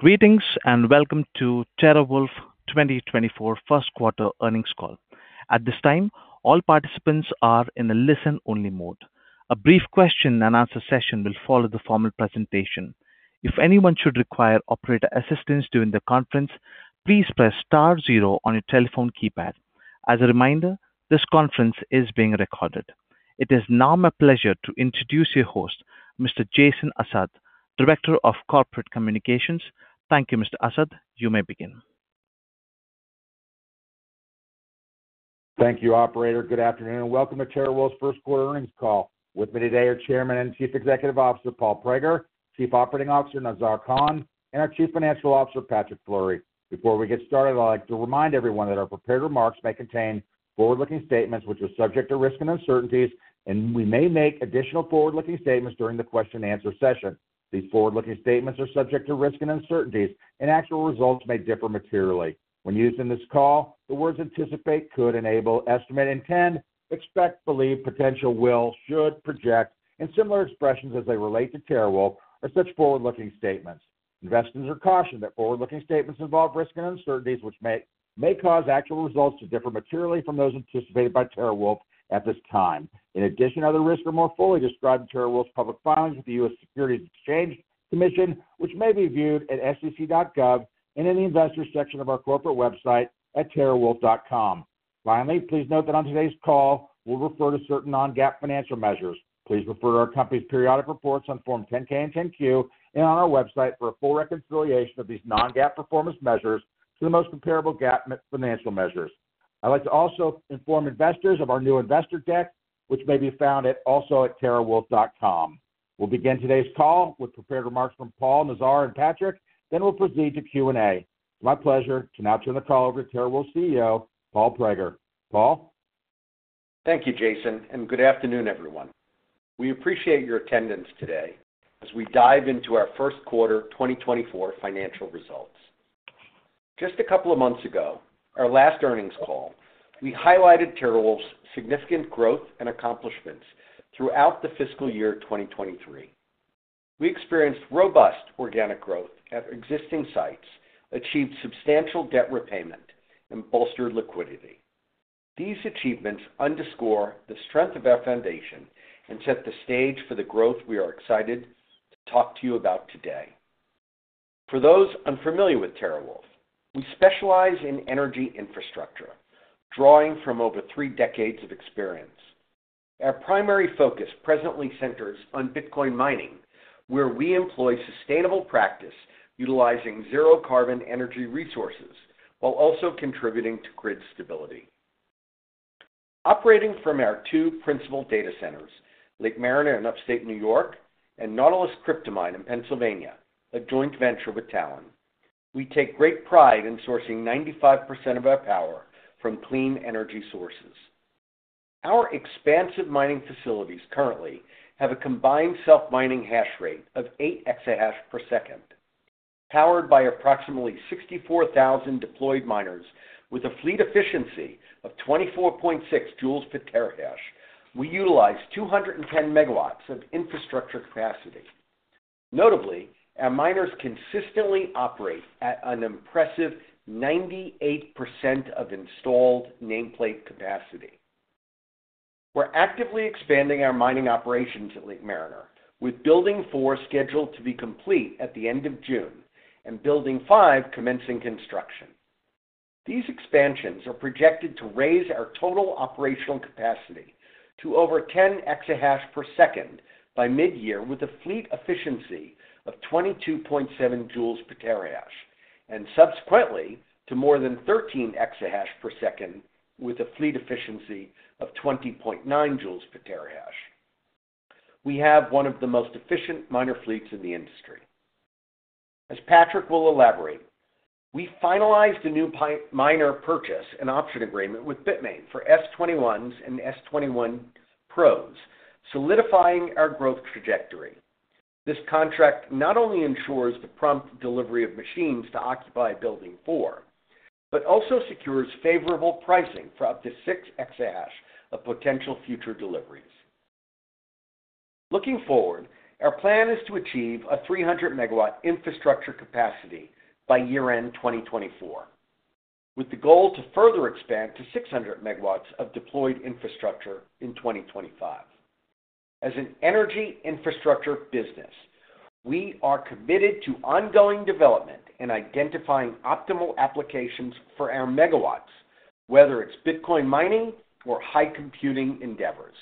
Greetings, and welcome to TeraWulf 2024 first quarter earnings call. At this time, all participants are in a listen-only mode. A brief question and answer session will follow the formal presentation. If anyone should require operator assistance during the conference, please press star zero on your telephone keypad. As a reminder, this conference is being recorded. It is now my pleasure to introduce your host, Mr. Jason Assad, Director of Corporate Communications. Thank you, Mr. Assad. You may begin. Thank you, operator. Good afternoon, and welcome to TeraWulf's first quarter earnings call. With me today are Chairman and Chief Executive Officer, Paul Prager, Chief Operating Officer, Nazar Khan, and our Chief Financial Officer, Patrick Fleury. Before we get started, I'd like to remind everyone that our prepared remarks may contain forward-looking statements which are subject to risk and uncertainties, and we may make additional forward-looking statements during the question and answer session. These forward-looking statements are subject to risk and uncertainties, and actual results may differ materially. When used in this call, the words anticipate, could, enable, estimate, intend, expect, believe, potential, will, should, project, and similar expressions as they relate to TeraWulf are such forward-looking statements. Investors are cautioned that forward-looking statements involve risk and uncertainties, which may, may cause actual results to differ materially from those anticipated by TeraWulf at this time. In addition, other risks are more fully described in TeraWulf's public filings with the U.S. Securities and Exchange Commission, which may be viewed at sec.gov and in the investor section of our corporate website at terawulf.com. Finally, please note that on today's call, we'll refer to certain non-GAAP financial measures. Please refer to our company's periodic reports on Form 10-K and 10-Q and on our website for a full reconciliation of these non-GAAP performance measures to the most comparable GAAP financial measures. I'd like to also inform investors of our new investor deck, which may be found at, also at terawulf.com. We'll begin today's call with prepared remarks from Paul, Nazar, and Patrick, then we'll proceed to Q&A. It's my pleasure to now turn the call over to TeraWulf's CEO, Paul Prager. Paul? Thank you, Jason, and good afternoon, everyone. We appreciate your attendance today as we dive into our first quarter 2024 financial results. Just a couple of months ago, our last earnings call, we highlighted TeraWulf's significant growth and accomplishments throughout the fiscal year 2023. We experienced robust organic growth at existing sites, achieved substantial debt repayment, and bolstered liquidity. These achievements underscore the strength of our foundation and set the stage for the growth we are excited to talk to you about today. For those unfamiliar with TeraWulf, we specialize in energy infrastructure, drawing from over three decades of experience. Our primary focus presently centers on Bitcoin mining, where we employ sustainable practice utilizing zero carbon energy resources, while also contributing to grid stability. Operating from our two principal data centers, Lake Mariner in Upstate New York and Nautilus Cryptomine in Pennsylvania, a joint venture with Talen. We take great pride in sourcing 95% of our power from clean energy sources. Our expansive mining facilities currently have a combined self-mining hash rate of 8 exahash per second. Powered by approximately 64,000 deployed miners with a fleet efficiency of 24.6 joules per terahash, we utilize 210 megawatts of infrastructure capacity. Notably, our miners consistently operate at an impressive 98% of installed nameplate capacity. We're actively expanding our mining operations at Lake Mariner, with building 4 scheduled to be complete at the end of June and building 5 commencing construction. These expansions are projected to raise our total operational capacity to over 10 exahash per second by mid-year, with a fleet efficiency of 22.7 joules per terahash, and subsequently to more than 13 exahash per second, with a fleet efficiency of 20.9 joules per terahash. We have one of the most efficient miner fleets in the industry. As Patrick will elaborate, we finalized a new miner purchase and option agreement with Bitmain for S21s and S21 Pros, solidifying our growth trajectory. This contract not only ensures the prompt delivery of machines to occupy building four, but also secures favorable pricing for up to 6 exahash of potential future deliveries. Looking forward, our plan is to achieve a 300 MW infrastructure capacity by year-end 2024, with the goal to further expand to 600 MW of deployed infrastructure in 2025. As an energy infrastructure business, we are committed to ongoing development and identifying optimal applications for our megawatts, whether it's Bitcoin mining or high computing endeavors.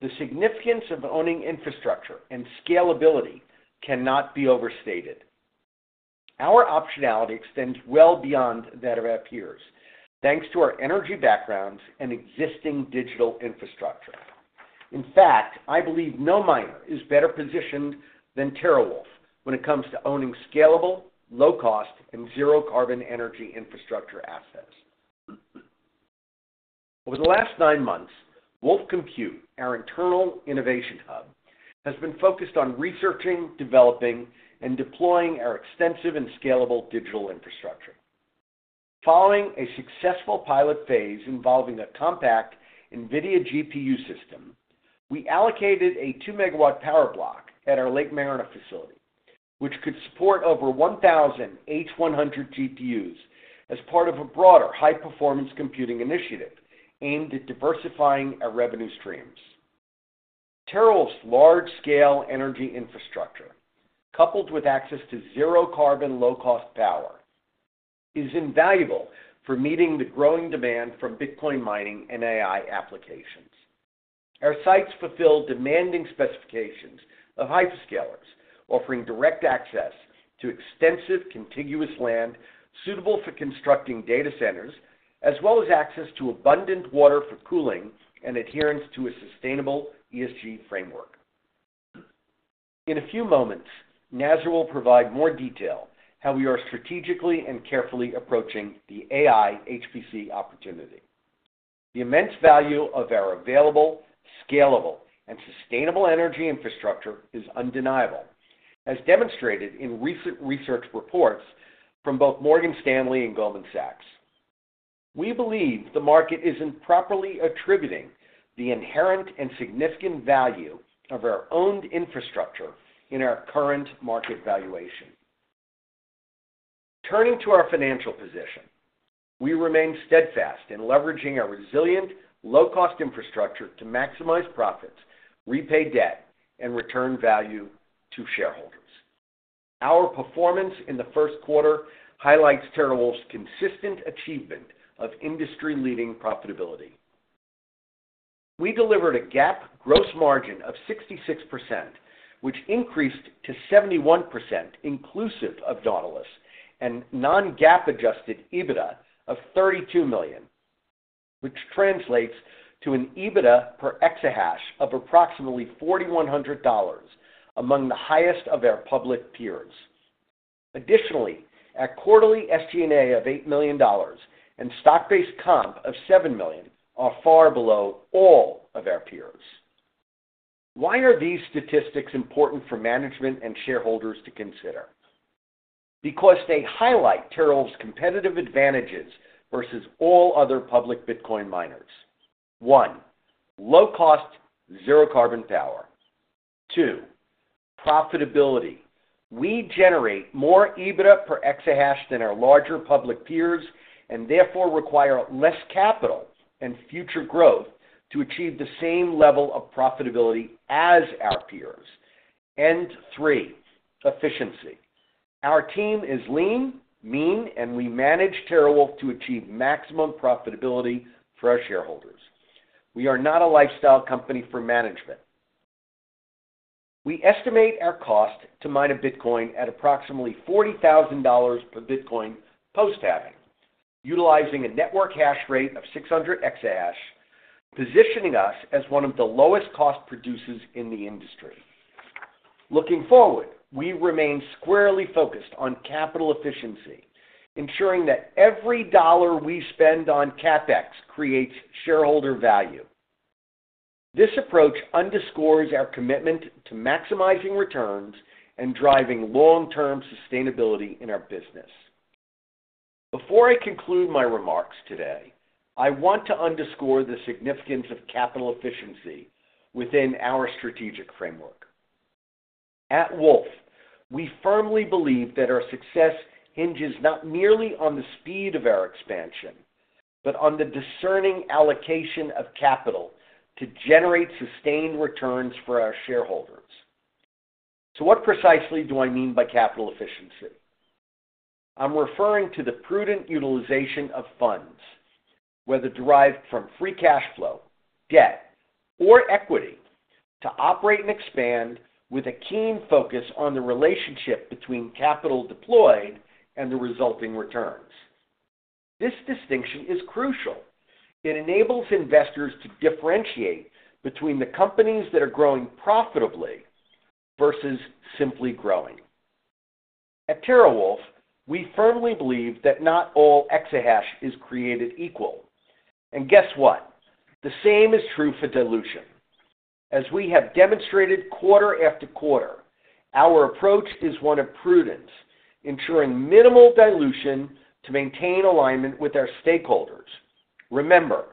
The significance of owning infrastructure and scalability cannot be overstated. Our optionality extends well beyond that of our peers, thanks to our energy background and existing digital infrastructure. In fact, I believe no miner is better positioned than TeraWulf when it comes to owning scalable, low-cost, and zero-carbon energy infrastructure assets. Over the last nine months, Wulf Den, our internal innovation hub, has been focused on researching, developing, and deploying our extensive and scalable digital infrastructure. Following a successful pilot phase involving a compact NVIDIA GPU system, we allocated a 2-megawatt power block at our Lake Mariner facility, which could support over 1,000 H100 GPUs as part of a broader high-performance computing initiative aimed at diversifying our revenue streams. TeraWulf's large-scale energy infrastructure, coupled with access to zero-carbon, low-cost power, is invaluable for meeting the growing demand from Bitcoin mining and AI applications. Our sites fulfill demanding specifications of hyperscalers, offering direct access to extensive contiguous land suitable for constructing data centers, as well as access to abundant water for cooling and adherence to a sustainable ESG framework. In a few moments, Nazar will provide more detail how we are strategically and carefully approaching the AI HPC opportunity. The immense value of our available, scalable, and sustainable energy infrastructure is undeniable, as demonstrated in recent research reports from both Morgan Stanley and Goldman Sachs. We believe the market isn't properly attributing the inherent and significant value of our owned infrastructure in our current market valuation. Turning to our financial position, we remain steadfast in leveraging our resilient, low-cost infrastructure to maximize profits, repay debt, and return value to shareholders. Our performance in the first quarter highlights TeraWulf's consistent achievement of industry-leading profitability. We delivered a GAAP gross margin of 66%, which increased to 71% inclusive of Nautilus and non-GAAP adjusted EBITDA of $32 million, which translates to an EBITDA per Exahash of approximately $4,100, among the highest of our public peers. Additionally, our quarterly SG&A of $8 million and stock-based comp of $7 million are far below all of our peers. Why are these statistics important for management and shareholders to consider? Because they highlight TeraWulf's competitive advantages versus all other public Bitcoin miners. One, low cost, zero-carbon power. Two, profitability. We generate more EBITDA per Exahash than our larger public peers, and therefore require less capital and future growth to achieve the same level of profitability as our peers. And three, efficiency. Our team is lean, mean, and we manage TeraWulf to achieve maximum profitability for our shareholders. We are not a lifestyle company for management. We estimate our cost to mine a Bitcoin at approximately $40,000 per Bitcoin post-halving, utilizing a network hash rate of 600 exahash, positioning us as one of the lowest cost producers in the industry. Looking forward, we remain squarely focused on capital efficiency, ensuring that every dollar we spend on CapEx creates shareholder value. This approach underscores our commitment to maximizing returns and driving long-term sustainability in our business. Before I conclude my remarks today, I want to underscore the significance of capital efficiency within our strategic framework. At Wulf, we firmly believe that our success hinges not merely on the speed of our expansion, but on the discerning allocation of capital to generate sustained returns for our shareholders. So what precisely do I mean by capital efficiency? I'm referring to the prudent utilization of funds, whether derived from free cash flow, debt, or equity, to operate and expand with a keen focus on the relationship between capital deployed and the resulting returns. This distinction is crucial. It enables investors to differentiate between the companies that are growing profitably versus simply growing. At TeraWulf, we firmly believe that not all exahash is created equal. Guess what? The same is true for dilution. As we have demonstrated quarter after quarter, our approach is one of prudence, ensuring minimal dilution to maintain alignment with our stakeholders. Remember,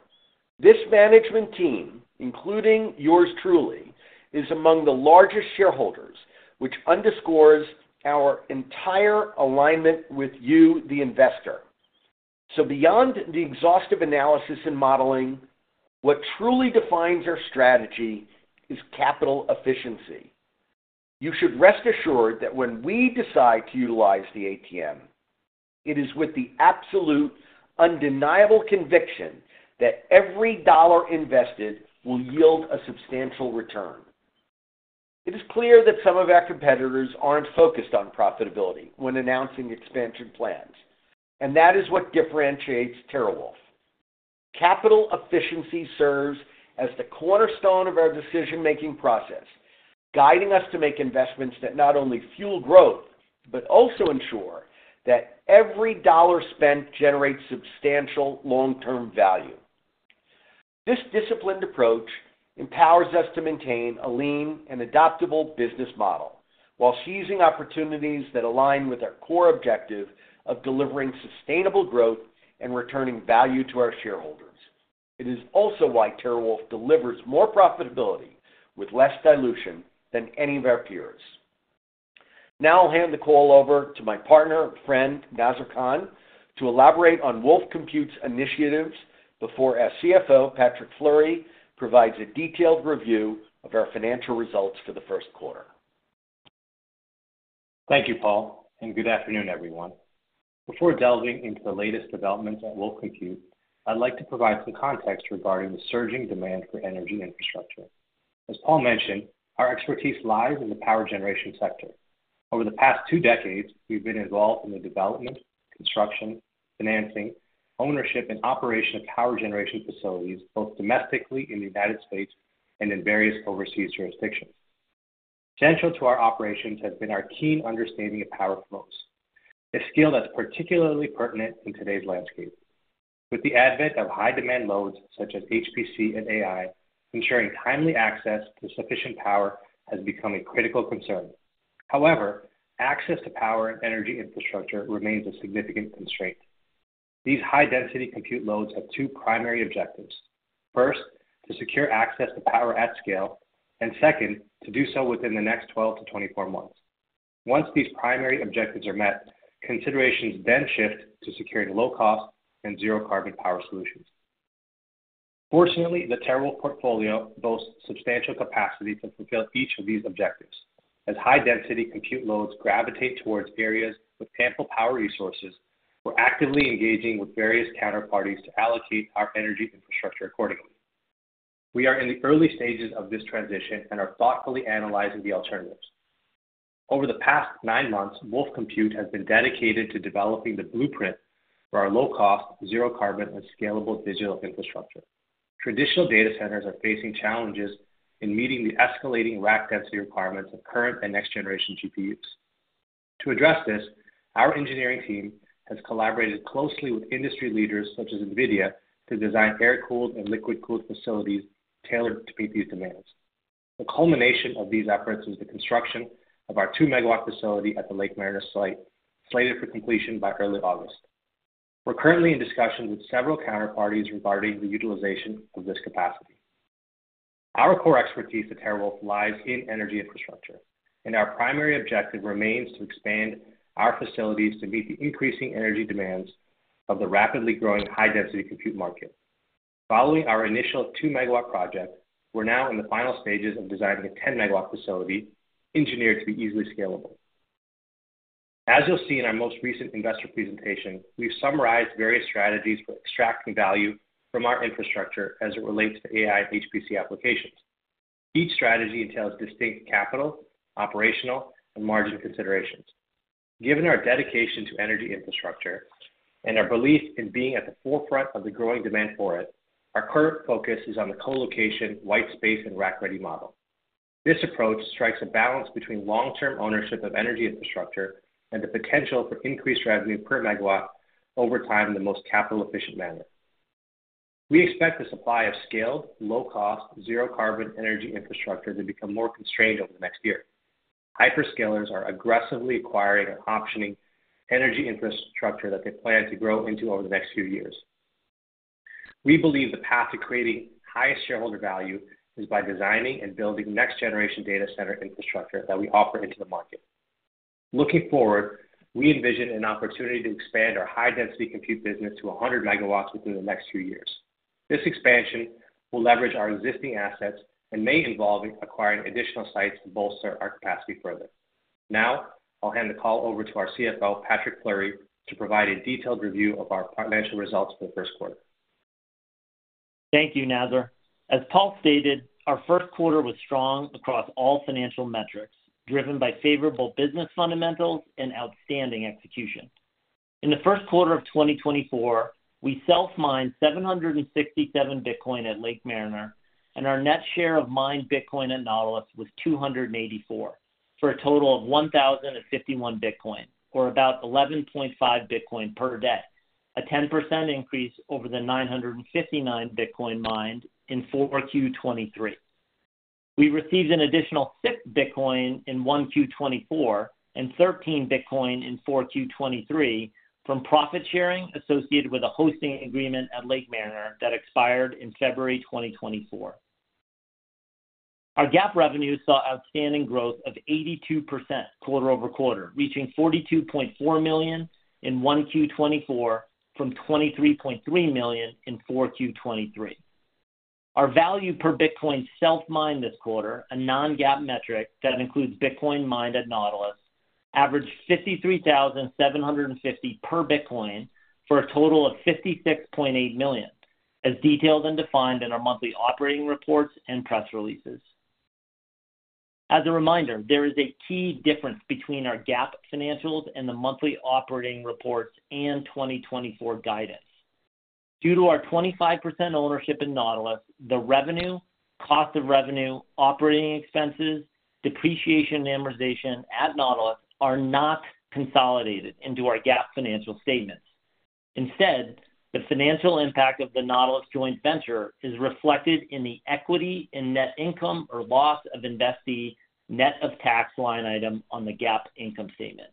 this management team, including yours truly, is among the largest shareholders, which underscores our entire alignment with you, the investor. Beyond the exhaustive analysis and modeling, what truly defines our strategy is capital efficiency. You should rest assured that when we decide to utilize the ATM, it is with the absolute, undeniable conviction that every dollar invested will yield a substantial return. It is clear that some of our competitors aren't focused on profitability when announcing expansion plans, and that is what differentiates TeraWulf. Capital efficiency serves as the cornerstone of our decision-making process, guiding us to make investments that not only fuel growth, but also ensure that every dollar spent generates substantial long-term value. This disciplined approach empowers us to maintain a lean and adaptable business model, while seizing opportunities that align with our core objective of delivering sustainable growth and returning value to our shareholders. It is also why TeraWulf delivers more profitability with less dilution than any of our peers. Now I'll hand the call over to my partner and friend, Nazar Khan, to elaborate on Wulf Compute's initiatives before our CFO, Patrick Fleury, provides a detailed review of our financial results for the first quarter. Thank you, Paul, and good afternoon, everyone. Before delving into the latest developments at Wulf Compute, I'd like to provide some context regarding the surging demand for energy infrastructure. As Paul mentioned, our expertise lies in the power generation sector. Over the past two decades, we've been involved in the development, construction, financing, ownership, and operation of power generation facilities, both domestically in the United States and in various overseas jurisdictions. Central to our operations has been our keen understanding of power flows, a skill that's particularly pertinent in today's landscape. With the advent of high-demand loads, such as HPC and AI, ensuring timely access to sufficient power has become a critical concern. However, access to power and energy infrastructure remains a significant constraint. These high-density compute loads have two primary objectives. First, to secure access to power at scale, and second, to do so within the next 12-24 months. Once these primary objectives are met, considerations then shift to securing low-cost and zero-carbon power solutions. Fortunately, the TeraWulf portfolio boasts substantial capacity to fulfill each of these objectives. As high-density compute loads gravitate towards areas with ample power resources, we're actively engaging with various counterparties to allocate our energy infrastructure accordingly. We are in the early stages of this transition and are thoughtfully analyzing the alternatives. Over the past 9 months, Wulf Compute has been dedicated to developing the blueprint for our low-cost, zero-carbon, and scalable digital infrastructure. Traditional data centers are facing challenges in meeting the escalating rack density requirements of current and next-generation GPUs. To address this, our engineering team has collaborated closely with industry leaders, such as NVIDIA, to design air-cooled and liquid-cooled facilities tailored to meet these demands. The culmination of these efforts is the construction of our 2-MW facility at the Lake Mariner site, slated for completion by early August. We're currently in discussions with several counterparties regarding the utilization of this capacity. Our core expertise at TeraWulf lies in energy infrastructure, and our primary objective remains to expand our facilities to meet the increasing energy demands of the rapidly growing high-density compute market. Following our initial 2-MW project, we're now in the final stages of designing a 10-MW facility engineered to be easily scalable. As you'll see in our most recent investor presentation, we've summarized various strategies for extracting value from our infrastructure as it relates to AI and HPC applications. Each strategy entails distinct capital, operational, and margin considerations. Given our dedication to energy infrastructure and our belief in being at the forefront of the growing demand for it, our current focus is on the co-location, white space, and rack-ready model. This approach strikes a balance between long-term ownership of energy infrastructure and the potential for increased revenue per megawatt over time in the most capital-efficient manner. We expect the supply of scaled, low-cost, zero-carbon energy infrastructure to become more constrained over the next year. Hyperscalers are aggressively acquiring or optioning energy infrastructure that they plan to grow into over the next few years. We believe the path to creating highest shareholder value is by designing and building next-generation data center infrastructure that we offer into the market. Looking forward, we envision an opportunity to expand our high-density compute business to 100 MW within the next few years. This expansion will leverage our existing assets and may involve acquiring additional sites to bolster our capacity further. Now, I'll hand the call over to our CFO, Patrick Fleury, to provide a detailed review of our financial results for the first quarter. Thank you, Nazar. As Paul stated, our first quarter was strong across all financial metrics, driven by favorable business fundamentals and outstanding execution. In the first quarter of 2024, we self-mined 767 Bitcoin at Lake Mariner, and our net share of mined Bitcoin at Nautilus was 284, for a total of 1,051 Bitcoin, or about 11.5 Bitcoin per day, a 10% increase over the 959 Bitcoin mined in 4Q 2023. We received an additional 6 Bitcoin in 1Q 2024 and 13 Bitcoin in 4Q 2023 from profit sharing associated with a hosting agreement at Lake Mariner that expired in February 2024. Our GAAP revenue saw outstanding growth of 82% quarter-over-quarter, reaching $42.4 million in 1Q 2024 from $23.3 million in 4Q 2023. Our value per Bitcoin self-mined this quarter, a non-GAAP metric that includes Bitcoin mined at Nautilus, averaged $53,750 per Bitcoin, for a total of $56.8 million, as detailed and defined in our monthly operating reports and press releases. As a reminder, there is a key difference between our GAAP financials and the monthly operating reports and 2024 guidance. Due to our 25% ownership in Nautilus, the revenue, cost of revenue, operating expenses, depreciation, and amortization at Nautilus are not consolidated into our GAAP financial statements. Instead, the financial impact of the Nautilus joint venture is reflected in the equity and net income, or loss of investee, net of tax line item on the GAAP income statement.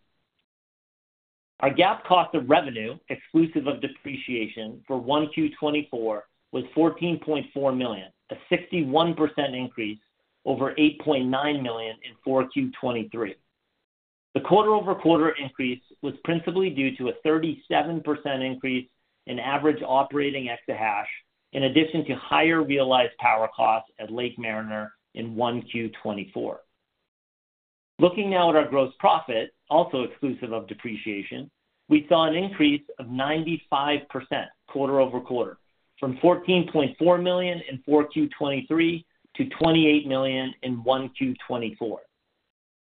Our GAAP cost of revenue, exclusive of depreciation, for 1Q24, was $14.4 million, a 61% increase over $8.9 million in 4Q23. The quarter-over-quarter increase was principally due to a 37% increase in average operating exahash, in addition to higher realized power costs at Lake Mariner in 1Q24. Looking now at our gross profit, also exclusive of depreciation, we saw an increase of 95% quarter-over-quarter, from $14.4 million in 4Q23 to $28 million in 1Q24.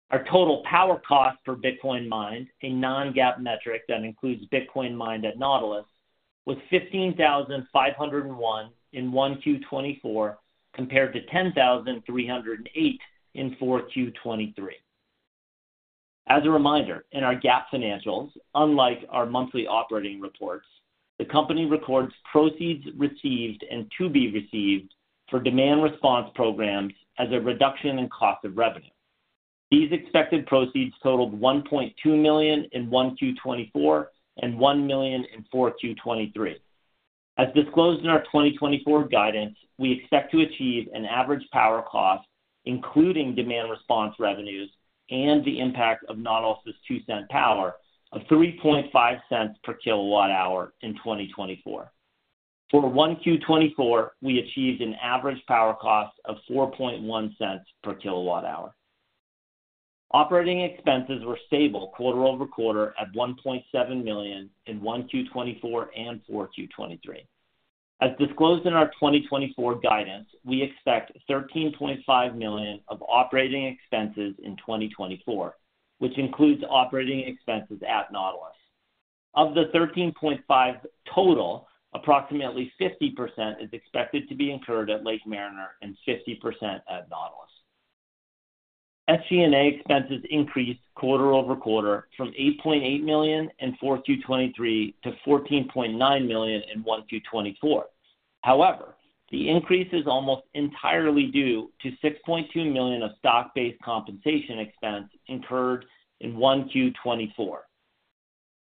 Our total power cost per Bitcoin mined, a non-GAAP metric that includes Bitcoin mined at Nautilus, was $15,501 in 1Q24, compared to $10,308 in 4Q23. As a reminder, in our GAAP financials, unlike our monthly operating reports, the company records proceeds received and to be received for demand response programs as a reduction in cost of revenue. These expected proceeds totaled $1.2 million in 1Q24 and $1 million in 4Q23. As disclosed in our 2024 guidance, we expect to achieve an average power cost, including demand response revenues and the impact of Nautilus's $0.02 power, of $0.035 per kWh in 2024. For 1Q24, we achieved an average power cost of $0.041 per kWh. Operating expenses were stable quarter-over-quarter at $1.7 million in 1Q24 and 4Q23. As disclosed in our 2024 guidance, we expect $13.5 million of operating expenses in 2024, which includes operating expenses at Nautilus. Of the 13.5 total, approximately 50% is expected to be incurred at Lake Mariner and 50% at Nautilus. SG&A expenses increased quarter-over-quarter from $8.8 million in 4Q23 to $14.9 million in 1Q24. However, the increase is almost entirely due to $6.2 million of stock-based compensation expense incurred in 1Q24.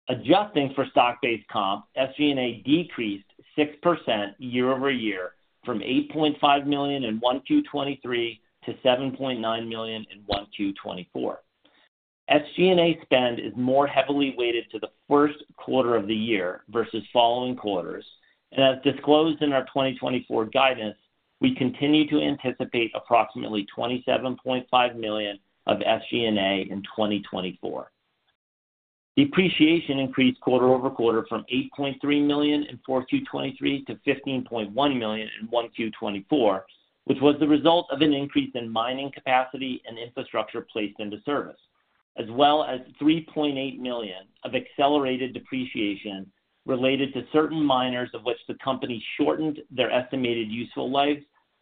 Adjusting for stock-based comp, SG&A decreased 6% year-over-year from $8.5 million in 1Q23 to $7.9 million in 1Q24. SG&A spend is more heavily weighted to the first quarter of the year versus following quarters, and as disclosed in our 2024 guidance, we continue to anticipate approximately $27.5 million of SG&A in 2024. Depreciation increased quarter-over-quarter from $8.3 million in 4Q23 to $15.1 million in 1Q24, which was the result of an increase in mining capacity and infrastructure placed into service, as well as $3.8 million of accelerated depreciation related to certain miners, of which the company shortened their estimated useful lives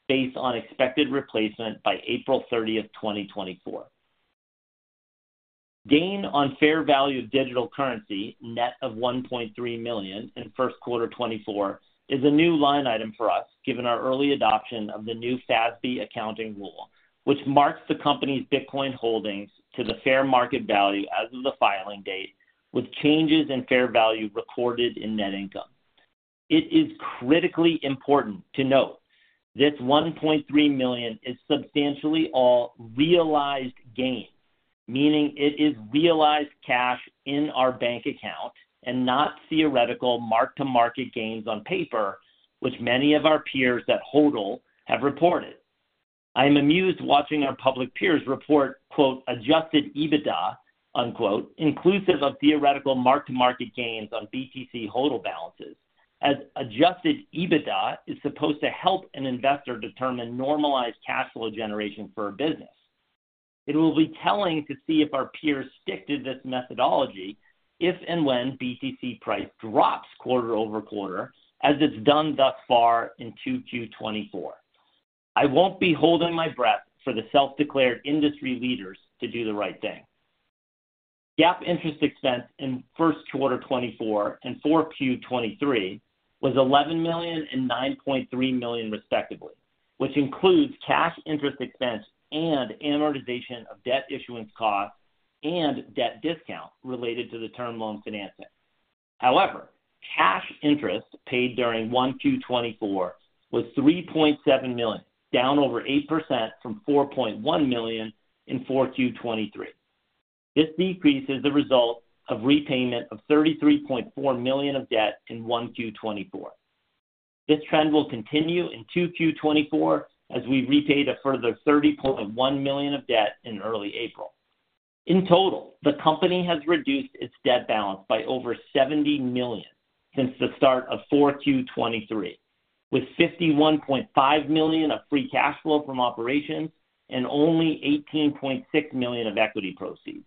based on expected replacement by April 30, 2024. Gain on fair value of digital currency, net of $1.3 million in first quarter 2024, is a new line item for us, given our early adoption of the new FASB accounting rule, which marks the company's Bitcoin holdings to the fair market value as of the filing date, with changes in fair value recorded in net income. It is critically important to note this $1.3 million is substantially all realized gain, meaning it is realized cash in our bank account and not theoretical mark-to-market gains on paper, which many of our peers that HODL have reported. I am amused watching our public peers report, quote, Adjusted EBITDA, unquote, inclusive of theoretical mark-to-market gains on BTC HODL balances, as Adjusted EBITDA is supposed to help an investor determine normalized cash flow generation for a business. It will be telling to see if our peers stick to this methodology, if and when BTC price drops quarter-over-quarter, as it's done thus far in 2Q24. I won't be holding my breath for the self-declared industry leaders to do the right thing. GAAP interest expense in first quarter 2024 and 4Q23 was $11 million and $9.3 million, respectively, which includes cash interest expense and amortization of debt issuance costs and debt discount related to the term loan financing. However, cash interest paid during 1Q24 was $3.7 million, down over 8% from $4.1 million in 4Q23. This decrease is the result of repayment of $33.4 million of debt in 1Q24. This trend will continue in 2Q24 as we've repaid a further $30.1 million of debt in early April. In total, the company has reduced its debt balance by over $70 million since the start of 4Q23, with $51.5 million of free cash flow from operations and only $18.6 million of equity proceeds....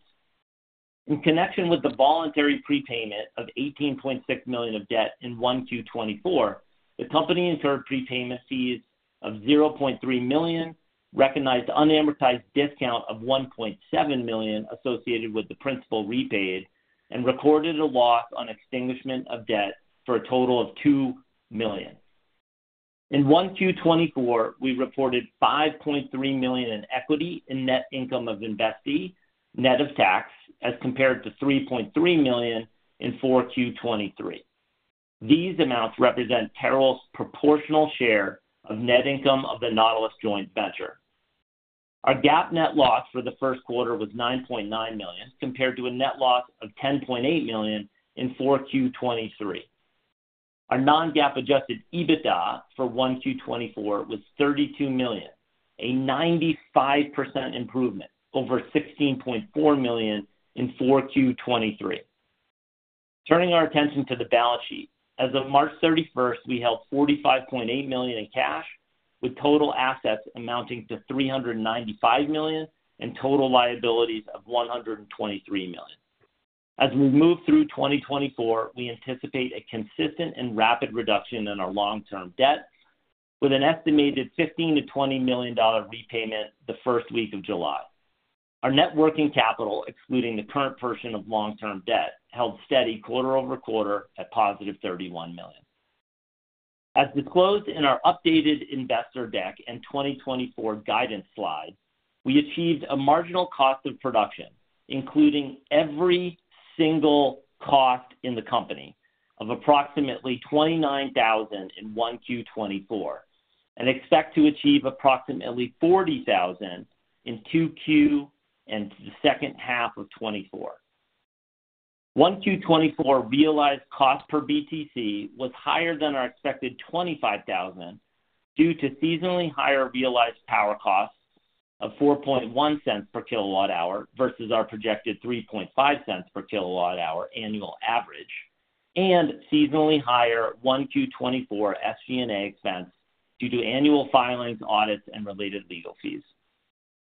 In connection with the voluntary prepayment of $18.6 million of debt in 1Q 2024, the company incurred prepayment fees of $0.3 million, recognized unamortized discount of $1.7 million associated with the principal repaid, and recorded a loss on extinguishment of debt for a total of $2 million. In 1Q 2024, we reported $5.3 million in equity and net income of investee, net of tax, as compared to $3.3 million in 4Q 2023. These amounts represent TeraWulf's proportional share of net income of the Nautilus joint venture. Our GAAP net loss for the first quarter was $9.9 million, compared to a net loss of $10.8 million in 4Q 2023. Our non-GAAP adjusted EBITDA for 1Q 2024 was $32 million, a 95% improvement over $16.4 million in 4Q 2023. Turning our attention to the balance sheet. As of March 31, we held $45.8 million in cash, with total assets amounting to $395 million, and total liabilities of $123 million. As we move through 2024, we anticipate a consistent and rapid reduction in our long-term debt, with an estimated $15 million-$20 million repayment the first week of July. Our net working capital, excluding the current portion of long-term debt, held steady quarter-over-quarter at positive $31 million. As disclosed in our updated investor deck and 2024 guidance slide, we achieved a marginal cost of production, including every single cost in the company, of approximately $29,000 in 1Q 2024, and expect to achieve approximately $40,000 in 2Q and the second half of 2024. 1Q 2024 realized cost per BTC was higher than our expected $25,000 due to seasonally higher realized power costs of 4.1 cents/kWh versus our projected 3.5 cents/kWh annual average, and seasonally higher 1Q 2024 SG&A expense due to annual filings, audits, and related legal fees.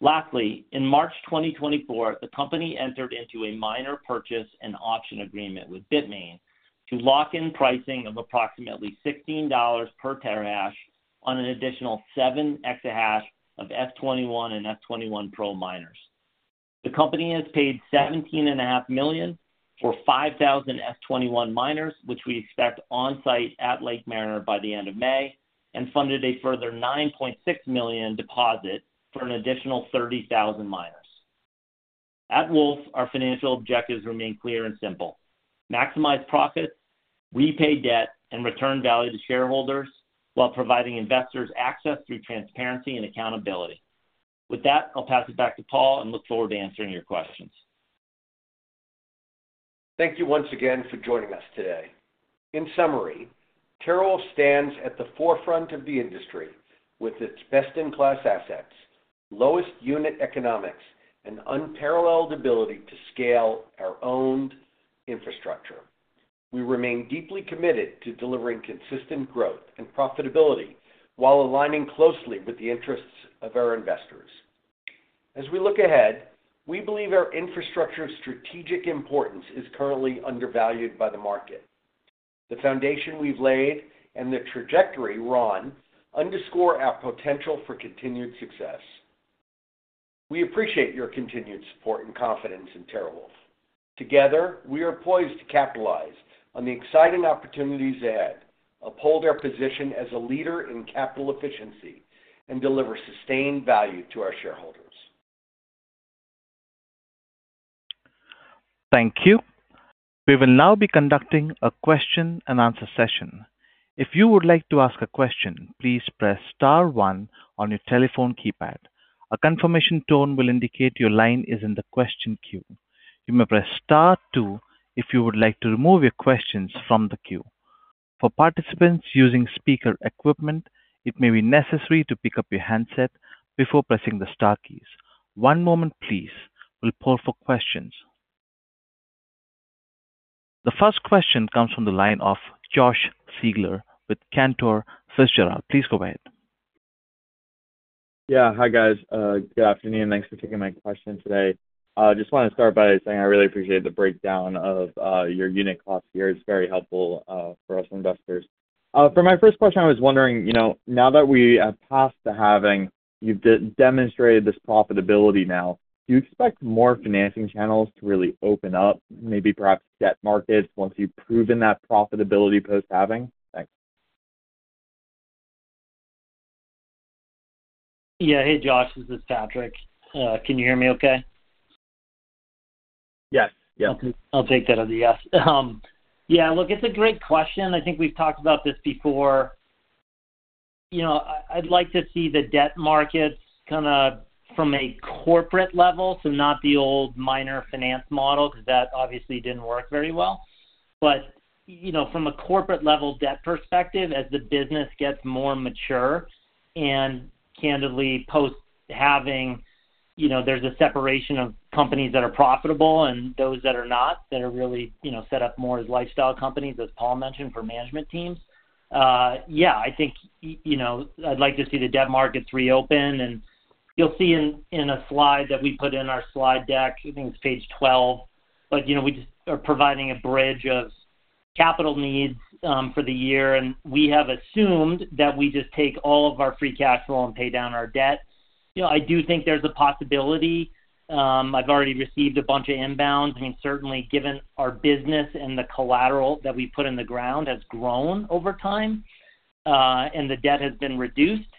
Lastly, in March 2024, the company entered into a miner purchase and option agreement with Bitmain to lock in pricing of approximately $16 per terahash on an additional 7 exahash of S21 and S21 Pro miners. The company has paid $17.5 million for 5,000 S21 miners, which we expect on-site at Lake Mariner by the end of May, and funded a further $9.6 million deposit for an additional 30,000 miners. At Wulf, our financial objectives remain clear and simple: maximize profits, repay debt, and return value to shareholders while providing investors access through transparency and accountability. With that, I'll pass it back to Paul and look forward to answering your questions. Thank you once again for joining us today. In summary, TeraWulf stands at the forefront of the industry with its best-in-class assets, lowest unit economics, and unparalleled ability to scale our owned infrastructure. We remain deeply committed to delivering consistent growth and profitability while aligning closely with the interests of our investors. As we look ahead, we believe our infrastructure of strategic importance is currently undervalued by the market. The foundation we've laid and the trajectory we're on underscore our potential for continued success. We appreciate your continued support and confidence in TeraWulf. Together, we are poised to capitalize on the exciting opportunities ahead, uphold our position as a leader in capital efficiency, and deliver sustained value to our shareholders. Thank you. We will now be conducting a question-and-answer session. If you would like to ask a question, please press star one on your telephone keypad. A confirmation tone will indicate your line is in the question queue. You may press star two if you would like to remove your questions from the queue. For participants using speaker equipment, it may be necessary to pick up your handset before pressing the star keys. One moment please. We'll poll for questions. The first question comes from the line of Josh Siegler with Cantor Fitzgerald. Please go ahead. Yeah. Hi, guys. Good afternoon. Thanks for taking my question today. Just want to start by saying I really appreciate the breakdown of your unit costs here. It's very helpful for us investors. For my first question, I was wondering, you know, now that we have passed the halving, you've demonstrated this profitability now, do you expect more financing channels to really open up, maybe perhaps debt markets, once you've proven that profitability post-halving? Thanks. Yeah. Hey, Josh, this is Patrick. Can you hear me okay? Yes, yeah. Okay. I'll take that as a yes. Yeah, look, it's a great question. I think we've talked about this before. You know, I'd like to see the debt markets kinda from a corporate level, so not the old miner finance model, because that obviously didn't work very well. But, you know, from a corporate level debt perspective, as the business gets more mature and candidly post-halving, you know, there's a separation of companies that are profitable and those that are not, that are really, you know, set up more as lifestyle companies, as Paul mentioned, for management teams. Yeah, I think, you know, I'd like to see the debt markets reopen, and you'll see in a slide that we put in our slide deck, I think it's page 12, but, you know, we just are providing a bridge of-... capital needs for the year, and we have assumed that we just take all of our free cash flow and pay down our debt. You know, I do think there's a possibility. I've already received a bunch of inbounds, and certainly, given our business and the collateral that we put in the ground has grown over time, and the debt has been reduced.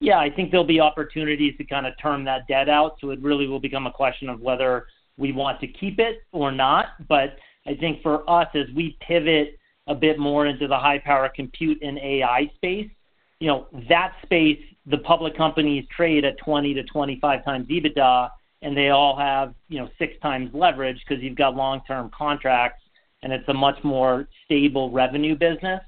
Yeah, I think there'll be opportunities to kinda term that debt out, so it really will become a question of whether we want to keep it or not. But I think for us, as we pivot a bit more into the high-power compute and AI space, you know, that space, the public companies trade at 20-25x EBITDA, and they all have, you know, 6x leverage 'cause you've got long-term contracts, and it's a much more stable revenue business.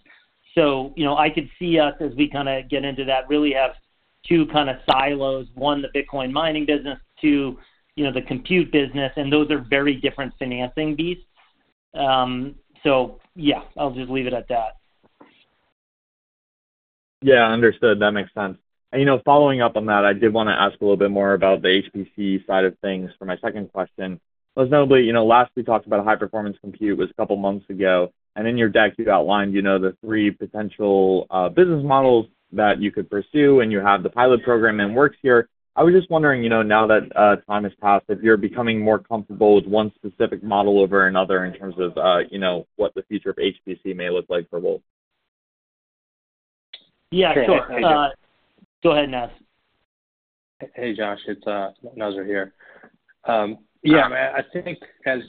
So, you know, I could see us, as we kinda get into that, really have two kind of silos. One, the Bitcoin mining business, two, you know, the compute business, and those are very different financing beasts. So yeah, I'll just leave it at that. Yeah, understood. That makes sense. You know, following up on that, I did wanna ask a little bit more about the HPC side of things for my second question. Most notably, you know, last we talked about high-performance compute was a couple of months ago, and in your deck, you outlined, you know, the three potential business models that you could pursue, and you have the pilot program in works here. I was just wondering, you know, now that time has passed, if you're becoming more comfortable with one specific model over another in terms of, you know, what the future of HPC may look like for TeraWulf. Yeah, sure. Go ahead, Nazar. Hey, Josh. It's Nazar here. Yeah, I think as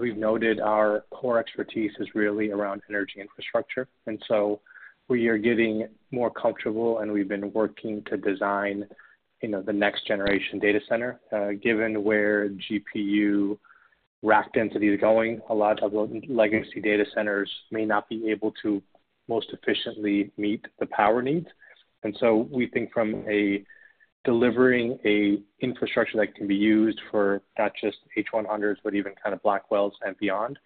we've noted, our core expertise is really around energy infrastructure, and so we are getting more comfortable, and we've been working to design, you know, the next generation data center. Given where GPU rack density is going, a lot of the legacy data centers may not be able to most efficiently meet the power needs. And so we think from a delivering infrastructure that can be used for not just H100s, but even kind of Blackwells and beyond,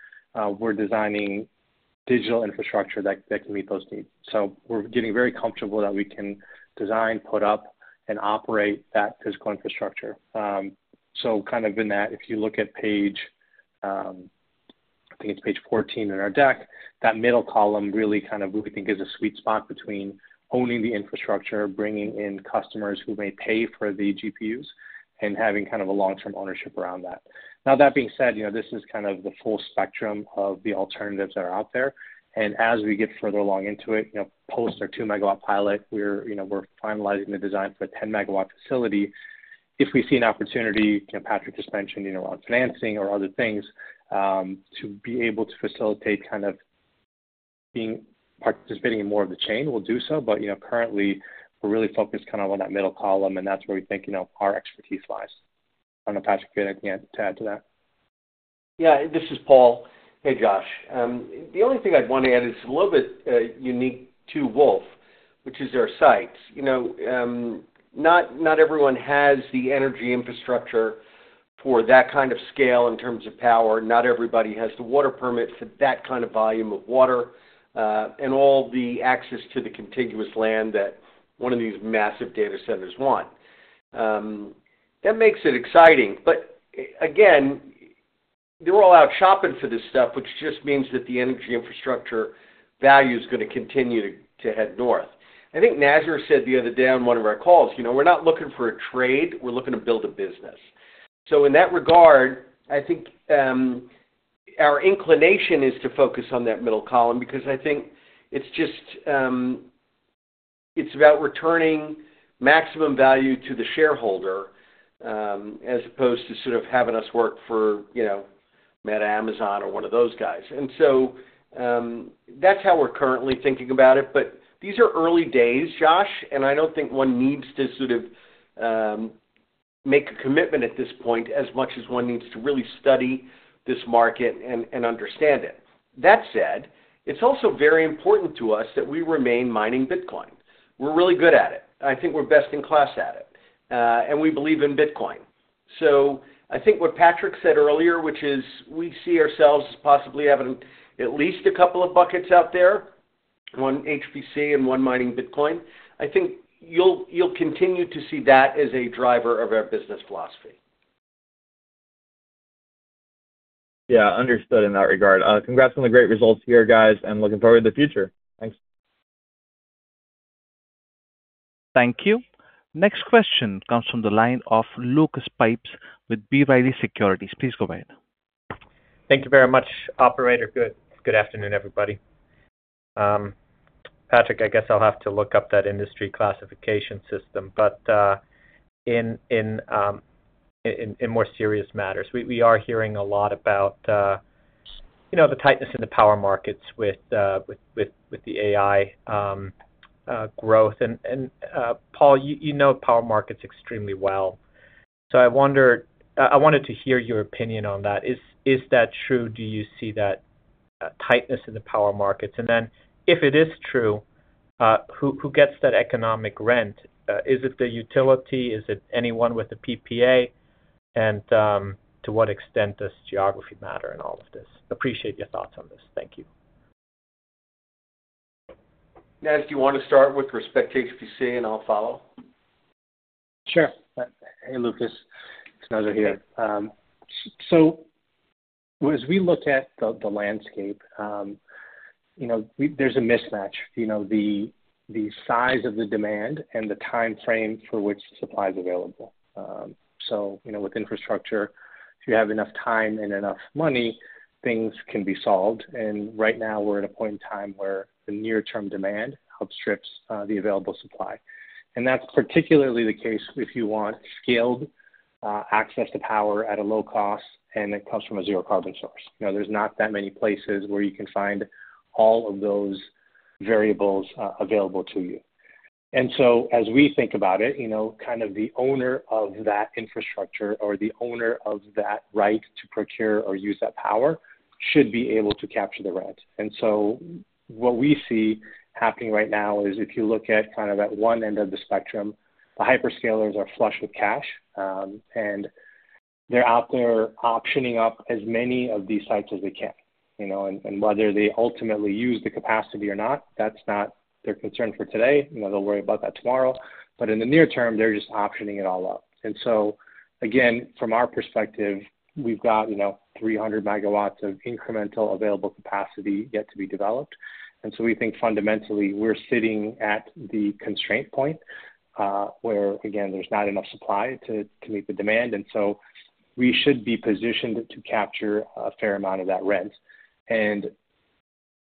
we're designing digital infrastructure that can meet those needs. So we're getting very comfortable that we can design, put up, and operate that physical infrastructure. So kind of in that, if you look at page, I think it's page 14 in our deck, that middle column really kind of we think is a sweet spot between owning the infrastructure, bringing in customers who may pay for the GPUs, and having kind of a long-term ownership around that. Now, that being said, you know, this is kind of the full spectrum of the alternatives that are out there. And as we get further along into it, you know, post our 2-MW pilot, you know, we're finalizing the design for a 10-MW facility. If we see an opportunity, you know, Patrick just mentioned, you know, around financing or other things, to be able to facilitate kind of participating in more of the chain, we'll do so. But, you know, currently, we're really focused kind of on that middle column, and that's where we think, you know, our expertise lies. I don't know, Patrick, if you had anything to add to that. Yeah, this is Paul. Hey, Josh. The only thing I'd want to add is a little bit unique to Wulf, which is our sites. You know, not, not everyone has the energy infrastructure for that kind of scale in terms of power. Not everybody has the water permits for that kind of volume of water, and all the access to the contiguous land that one of these massive data centers want. That makes it exciting, but again, they're all out shopping for this stuff, which just means that the energy infrastructure value is gonna continue to head north. I think Nazar said the other day on one of our calls, "You know, we're not looking for a trade, we're looking to build a business." So in that regard, I think, our inclination is to focus on that middle column, because I think it's just, it's about returning maximum value to the shareholder, as opposed to sort of having us work for, you know, Meta, Amazon, or one of those guys. And so, that's how we're currently thinking about it, but these are early days, Josh, and I don't think one needs to sort of, make a commitment at this point, as much as one needs to really study this market and, and understand it. That said, it's also very important to us that we remain mining Bitcoin. We're really good at it. I think we're best in class at it, and we believe in Bitcoin. So I think what Patrick said earlier, which is we see ourselves as possibly having at least a couple of buckets out there, one HPC and one mining Bitcoin. I think you'll continue to see that as a driver of our business philosophy. Yeah, understood in that regard. Congrats on the great results here, guys, and looking forward to the future. Thanks. Thank you. Next question comes from the line of Lucas Pipes with B. Riley Securities. Please go ahead. Thank you very much, operator. Good afternoon, everybody. Patrick, I guess I'll have to look up that industry classification system, but, in more serious matters, we are hearing a lot about, you know, the tightness in the power markets with the AI growth. And, Paul, you know power markets extremely well. So I wonder. I wanted to hear your opinion on that. Is that true? Do you see that tightness in the power markets? And then, if it is true, who gets that economic rent? Is it the utility? Is it anyone with a PPA? And, to what extent does geography matter in all of this? Appreciate your thoughts on this. Thank you.... Naz, do you want to start with respect to HPC, and I'll follow? Sure. Hey, Lucas, it's Nazar here. So as we look at the landscape, you know, there's a mismatch. You know, the size of the demand and the time frame for which supply is available. So, you know, with infrastructure, if you have enough time and enough money, things can be solved. And right now, we're at a point in time where the near-term demand outstrips the available supply. And that's particularly the case if you want scaled access to power at a low cost, and it comes from a zero carbon source. You know, there's not that many places where you can find all of those variables available to you. And so as we think about it, you know, kind of the owner of that infrastructure or the owner of that right to procure or use that power should be able to capture the rent. And so what we see happening right now is, if you look at kind of at one end of the spectrum, the hyperscalers are flush with cash, and they're out there optioning up as many of these sites as they can, you know? And whether they ultimately use the capacity or not, that's not their concern for today. You know, they'll worry about that tomorrow. But in the near term, they're just optioning it all up. And so, again, from our perspective, we've got, you know, 300 megawatts of incremental available capacity yet to be developed. We think fundamentally, we're sitting at the constraint point, where, again, there's not enough supply to meet the demand. And so we should be positioned to capture a fair amount of that rent. And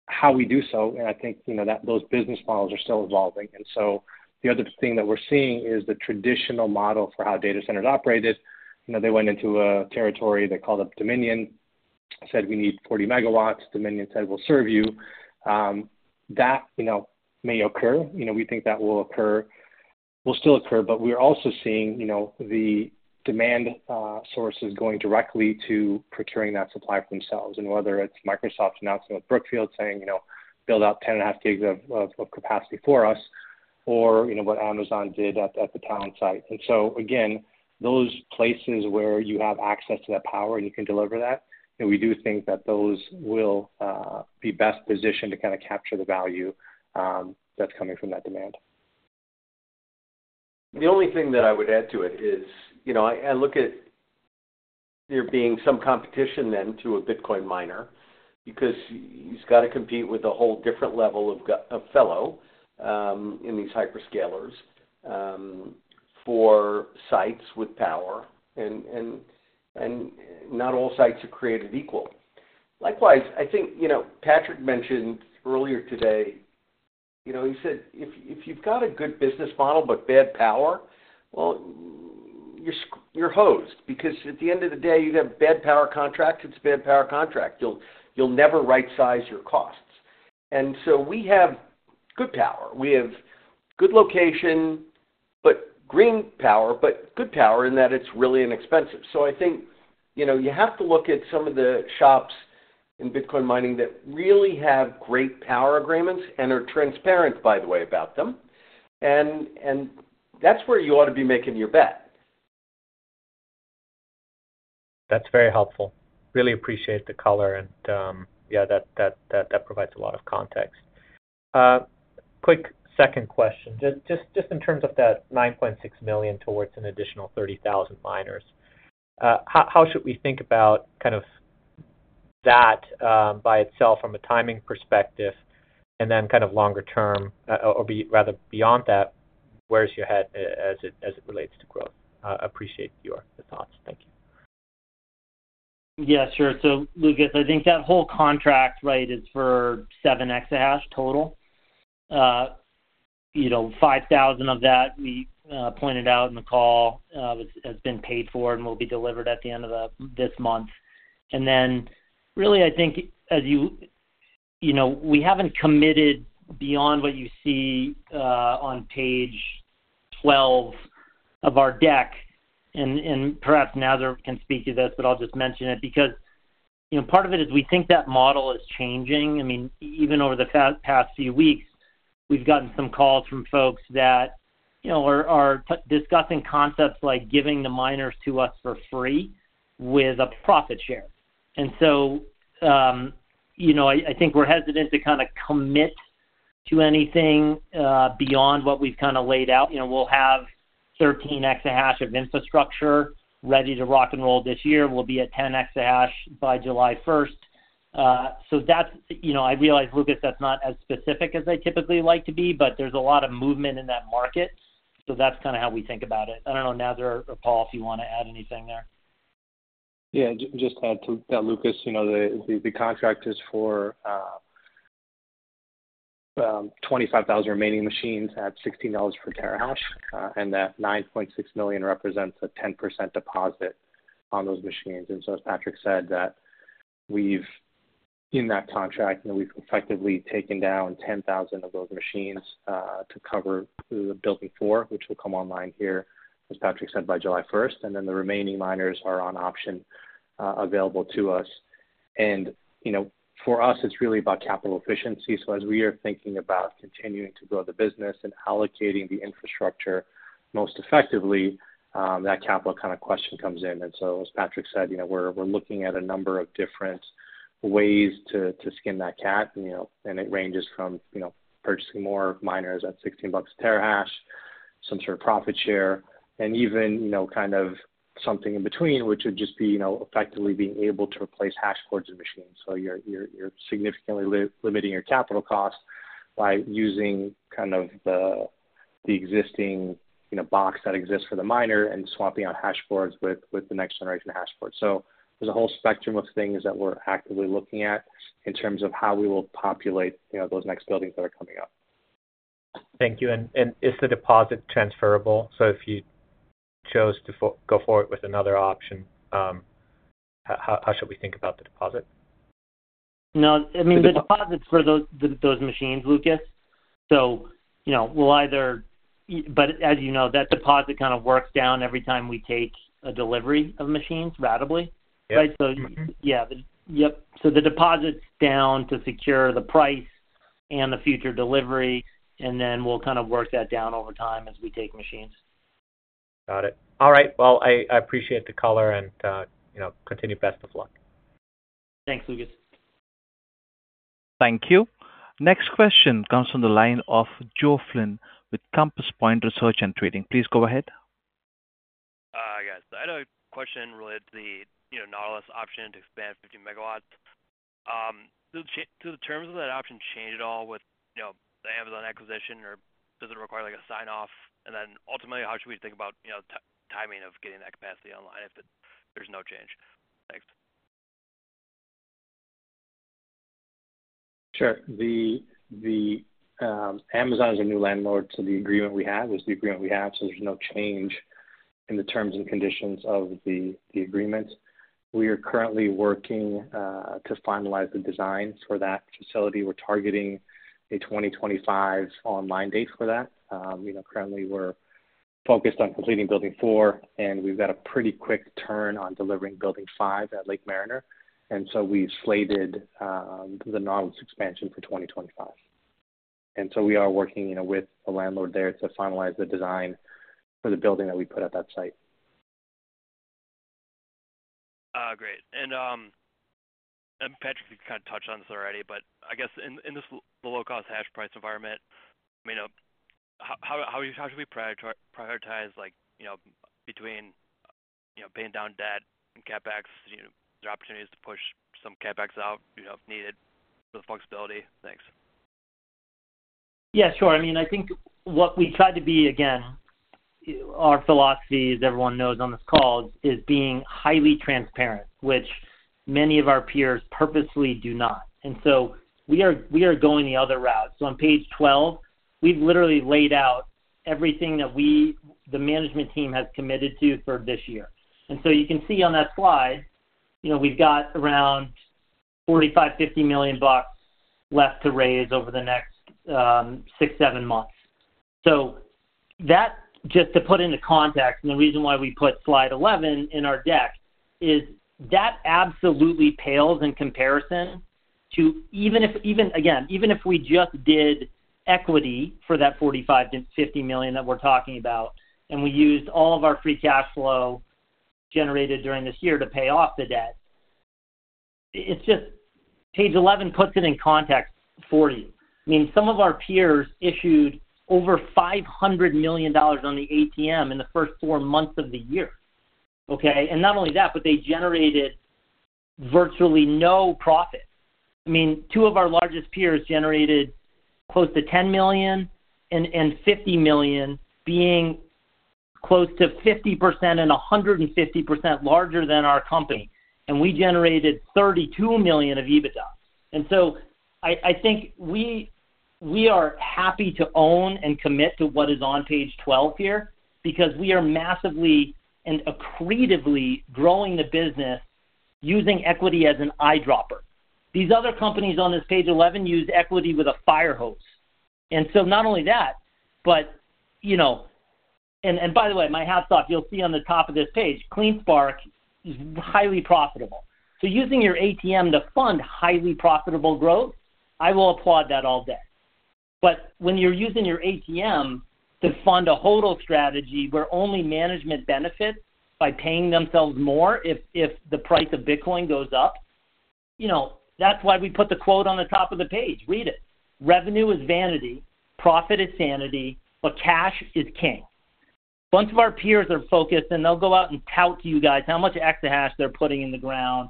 how we do so, and I think, you know, that those business models are still evolving. And so the other thing that we're seeing is the traditional model for how data centers operated. You know, they went into a territory, they called up Dominion, said, "We need 40 megawatts." Dominion said, "We'll serve you." That, you know, may occur. You know, we think that will occur, will still occur, but we're also seeing, you know, the demand sources going directly to procuring that supply for themselves, and whether it's Microsoft's announcement with Brookfield saying, you know, "Build out 10.5 gigs of capacity for us," or, you know, what Amazon did at the Talen site. And so again, those places where you have access to that power, and you can deliver that, and we do think that those will be best positioned to kind of capture the value that's coming from that demand. The only thing that I would add to it is, you know, I look at there being some competition then to a Bitcoin miner, because he's got to compete with a whole different level of giants in these hyperscalers for sites with power, and not all sites are created equal. Likewise, I think, you know, Patrick mentioned earlier today, you know, he said, "If you've got a good business model but bad power, well, you're screwed. You're hosed." Because at the end of the day, you have bad power contract, it's bad power contract. You'll never rightsize your costs. And so we have good power. We have good location, but green power, but good power in that it's really inexpensive. I think, you know, you have to look at some of the shops in Bitcoin mining that really have great power agreements and are transparent, by the way, about them. And that's where you ought to be making your bet. That's very helpful. Really appreciate the color, and that provides a lot of context. Quick second question. Just in terms of that $9.6 million towards an additional 30,000 miners, how should we think about kind of that by itself from a timing perspective, and then kind of longer term, or rather, beyond that, where's your head as it relates to growth? Appreciate your thoughts. Thank you. Yeah, sure. So Lucas, I think that whole contract, right, is for 7 exahash total. You know, 5,000 of that, we pointed out in the call, has been paid for and will be delivered at the end of this month. And then really, I think as you... You know, we haven't committed beyond what you see on page 12 of our deck, and perhaps Nazar can speak to this, but I'll just mention it because, you know, part of it is we think that model is changing. I mean, even over the past few weeks, we've gotten some calls from folks that, you know, are discussing concepts like giving the miners to us for free with a profit share. And so, you know, I think we're hesitant to kind of commit to anything beyond what we've kind of laid out. You know, we'll have 13 exahash of infrastructure ready to rock and roll this year. We'll be at 10 exahash by July first. So that's, you know, I realize, Lucas, that's not as specific as I typically like to be, but there's a lot of movement in that market, so that's kind of how we think about it. I don't know, Nazar or Paul, if you want to add anything there. Yeah, just add to that, Lucas, you know, the contract is for 25,000 remaining machines at $16 per terahash, and that $9.6 million represents a 10% deposit on those machines. And so as Patrick said, that we've, in that contract, we've effectively taken down 10,000 of those machines to cover the build before, which will come online here, as Patrick said, by July first, and then the remaining miners are on option available to us. And, you know, for us, it's really about capital efficiency. So as we are thinking about continuing to grow the business and allocating the infrastructure most effectively, that capital kind of question comes in. As Patrick said, you know, we're looking at a number of different ways to skin that cat, you know, and it ranges from, you know, purchasing more miners at $16 a terahash… some sort of profit share and even, you know, kind of something in between, which would just be, you know, effectively being able to replace hash boards and machines. So you're significantly limiting your capital costs by using kind of the existing, you know, box that exists for the miner and swapping out hash boards with the next generation of hash boards. So there's a whole spectrum of things that we're actively looking at in terms of how we will populate, you know, those next buildings that are coming up. Thank you. And is the deposit transferable? So if you chose to go forward with another option, how should we think about the deposit? No, I mean, the deposits for those, those machines, Lucas, so, you know, we'll either. But as you know, that deposit kind of works down every time we take a delivery of machines ratably. Yeah. Mm-hmm. Right? So, yeah. Yep. So the deposit's down to secure the price and the future delivery, and then we'll kind of work that down over time as we take machines. Got it. All right. Well, I appreciate the color and, you know, continued best of luck. Thanks, Lucas. Thank you. Next question comes from the line of Joe Flynn with Compass Point Research and Trading. Please go ahead. Guys, I had a question related to the, you know, Nautilus option to expand 15 MW. Do the terms of that option change at all with, you know, the Amazon acquisition, or does it require, like, a sign-off? And then ultimately, how should we think about, you know, timing of getting that capacity online if there's no change? Thanks. Sure. The Amazon is a new landlord, so the agreement we have is the agreement we have, so there's no change in the terms and conditions of the agreement. We are currently working to finalize the designs for that facility. We're targeting a 2025 online date for that. You know, currently we're focused on completing building four, and we've got a pretty quick turn on delivering building five at Lake Mariner, and so we've slated the Nautilus expansion for 2025. And so we are working, you know, with the landlord there to finalize the design for the building that we put at that site. Great. And Patrick, you kind of touched on this already, but I guess in this the low-cost hash price environment, you know, how should we prioritize like, you know, between, you know, paying down debt and CapEx, you know, there are opportunities to push some CapEx out, you know, if needed, for the flexibility. Thanks. Yeah, sure. I mean, I think what we try to be, again, our philosophy, as everyone knows on this call, is being highly transparent, which many of our peers purposely do not. And so we are, we are going the other route. So on page 12, we've literally laid out everything that we, the management team, has committed to for this year. And so you can see on that slide, you know, we've got around $45-$50 million left to raise over the next 6-7 months. So that, just to put into context, and the reason why we put slide 11 in our deck, is that absolutely pales in comparison to even if, even, again, even if we just did equity for that $45-$50 million that we're talking about, and we used all of our free cash flow generated during this year to pay off the debt, it's just page 11 puts it in context for you. I mean, some of our peers issued over $500 million on the ATM in the first 4 months of the year, okay? And not only that, but they generated virtually no profit. I mean, two of our largest peers generated close to $10 million and $50 million, being close to 50% and 150% larger than our company, and we generated $32 million of EBITDA. And so I think we are happy to own and commit to what is on page 12 here because we are massively and accretively growing the business using equity as an eyedropper. These other companies on this page 11 use equity with a fire hose. And so not only that, but, you know... And by the way, my hats off, you'll see on the top of this page, CleanSpark is highly profitable. So using your ATM to fund highly profitable growth, I will applaud that all day. But when you're using your ATM to fund a HODL strategy, where only management benefits by paying themselves more if the price of Bitcoin goes up, you know, that's why we put the quote on the top of the page. Read it. Revenue is vanity, profit is sanity, but cash is king." Bunch of our peers are focused, and they'll go out and tout to you guys how much exahash they're putting in the ground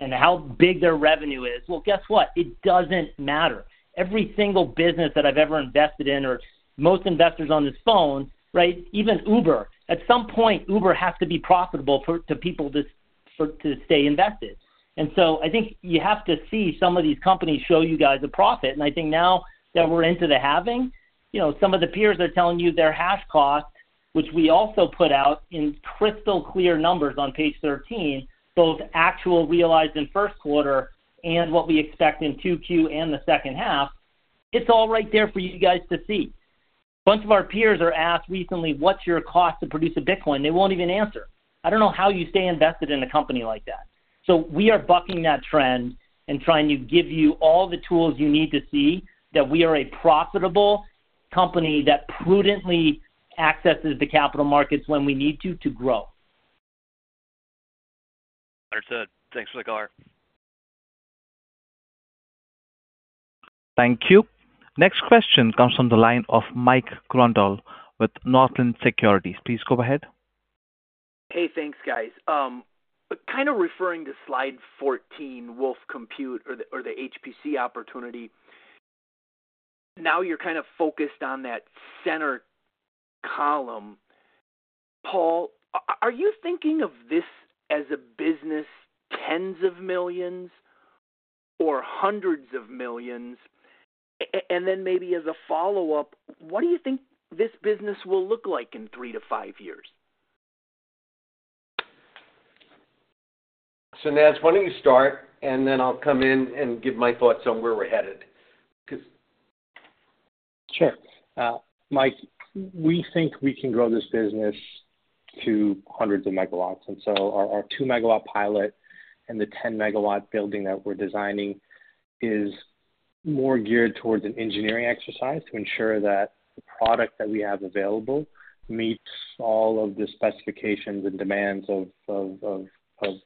and how big their revenue is. Well, guess what? It doesn't matter. Every single business that I've ever invested in, or most investors on this phone, right, even Uber, at some point, Uber has to be profitable for people to stay invested. So I think you have to see some of these companies show you guys a profit. I think now that we're into the halving, you know, some of the peers are telling you their hash cost, which we also put out in crystal clear numbers on page 13, both actual realized in first quarter and what we expect in 2Q and the second half, it's all right there for you guys to see. Bunch of our peers are asked recently, "What's your cost to produce a Bitcoin?" They won't even answer. I don't know how you stay invested in a company like that. So we are bucking that trend and trying to give you all the tools you need to see that we are a profitable company that prudently accesses the capital markets when we need to, to grow. Understood. Thanks for the call.... Thank you. Next question comes from the line of Mike Grondahl with Northland Securities. Please go ahead. Hey, thanks, guys. Kind of referring to slide 14, Wulf Compute or the HPC opportunity. Now you're kind of focused on that center column. Paul, are you thinking of this as a business, $10s of millions or $100s of millions? And then maybe as a follow-up, what do you think this business will look like in 3-5 years? So Naz, why don't you start, and then I'll come in and give my thoughts on where we're headed? Because- Sure. Mike, we think we can grow this business to hundreds of megawatts. So our 2-MW pilot and the 10-MW building that we're designing is more geared towards an engineering exercise to ensure that the product that we have available meets all of the specifications and demands of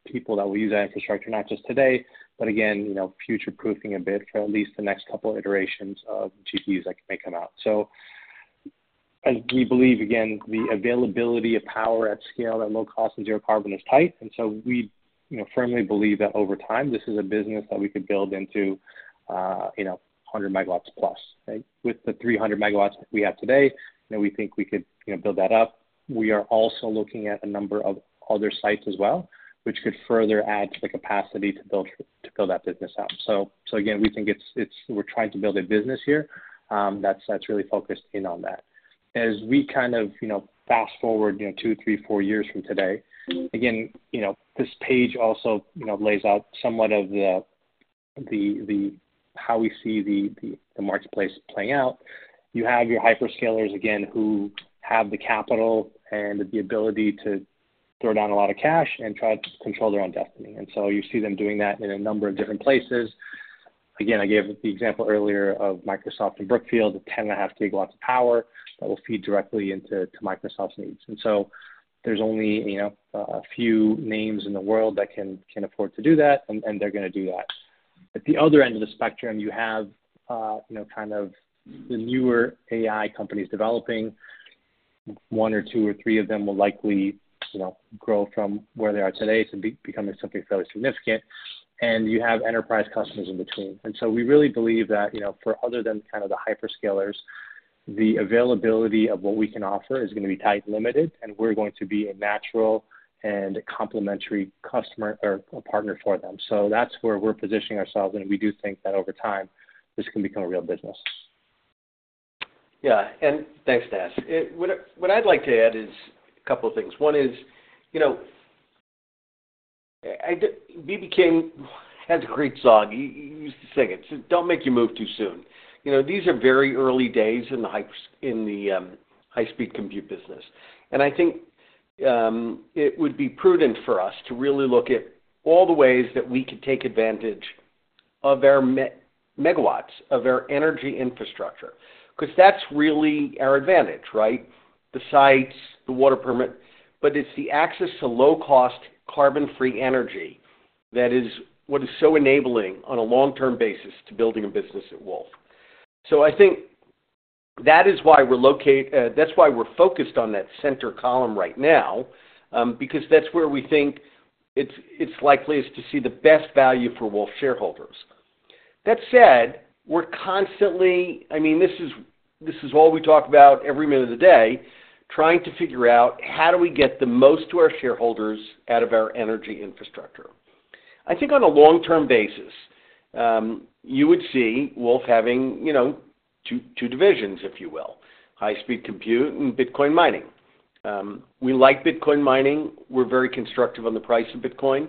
people that will use that infrastructure, not just today, but again, you know, future-proofing a bit for at least the next couple iterations of GPUs that may come out. So as we believe, again, the availability of power at scale, at low cost and zero-carbon is tight, and so we, you know, firmly believe that over time, this is a business that we could build into, you know, 100 MW plus, right? With the 300 MW we have today, then we think we could, you know, build that up. We are also looking at a number of other sites as well, which could further add to the capacity to build that business out. So again, we think it's we're trying to build a business here, that's really focused in on that. As we kind of, you know, fast forward, you know, 2, 3, 4 years from today, again, you know, this page also, you know, lays out somewhat of the how we see the marketplace playing out. You have your hyperscalers again, who have the capital and the ability to throw down a lot of cash and try to control their own destiny. And so you see them doing that in a number of different places. Again, I gave the example earlier of Microsoft and Brookfield, the 10.5 gigawatts of power that will feed directly into to Microsoft's needs. And so there's only, you know, a few names in the world that can afford to do that, and they're gonna do that. At the other end of the spectrum, you have, you know, kind of the newer AI companies developing. One or two or three of them will likely, you know, grow from where they are today to becoming something fairly significant, and you have enterprise customers in between. And so we really believe that, you know, for other than kind of the Hyperscalers, the availability of what we can offer is gonna be tightly limited, and we're going to be a natural and complementary customer or a partner for them. So that's where we're positioning ourselves, and we do think that over time, this can become a real business. Yeah, and thanks, Nas. What I'd like to add is a couple of things. One is, you know, B.B. King has a great song. He used to sing it. So "Don't Make Your Move Too Soon." You know, these are very early days in the HPC—in the high-performance compute business. And I think it would be prudent for us to really look at all the ways that we could take advantage of our megawatts, of our energy infrastructure, because that's really our advantage, right? The sites, the water permit, but it's the access to low-cost, carbon-free energy that is what is so enabling on a long-term basis to building a business at WULF Den. So I think that is why we're focused on that center column right now, because that's where we think it's likely to see the best value for Wulf shareholders. That said, we're constantly. I mean, this is all we talk about every minute of the day, trying to figure out how do we get the most to our shareholders out of our energy infrastructure. I think on a long-term basis, you would see Wulf having, you know, two divisions, if you will: high-speed compute and Bitcoin mining. We like Bitcoin mining. We're very constructive on the price of Bitcoin.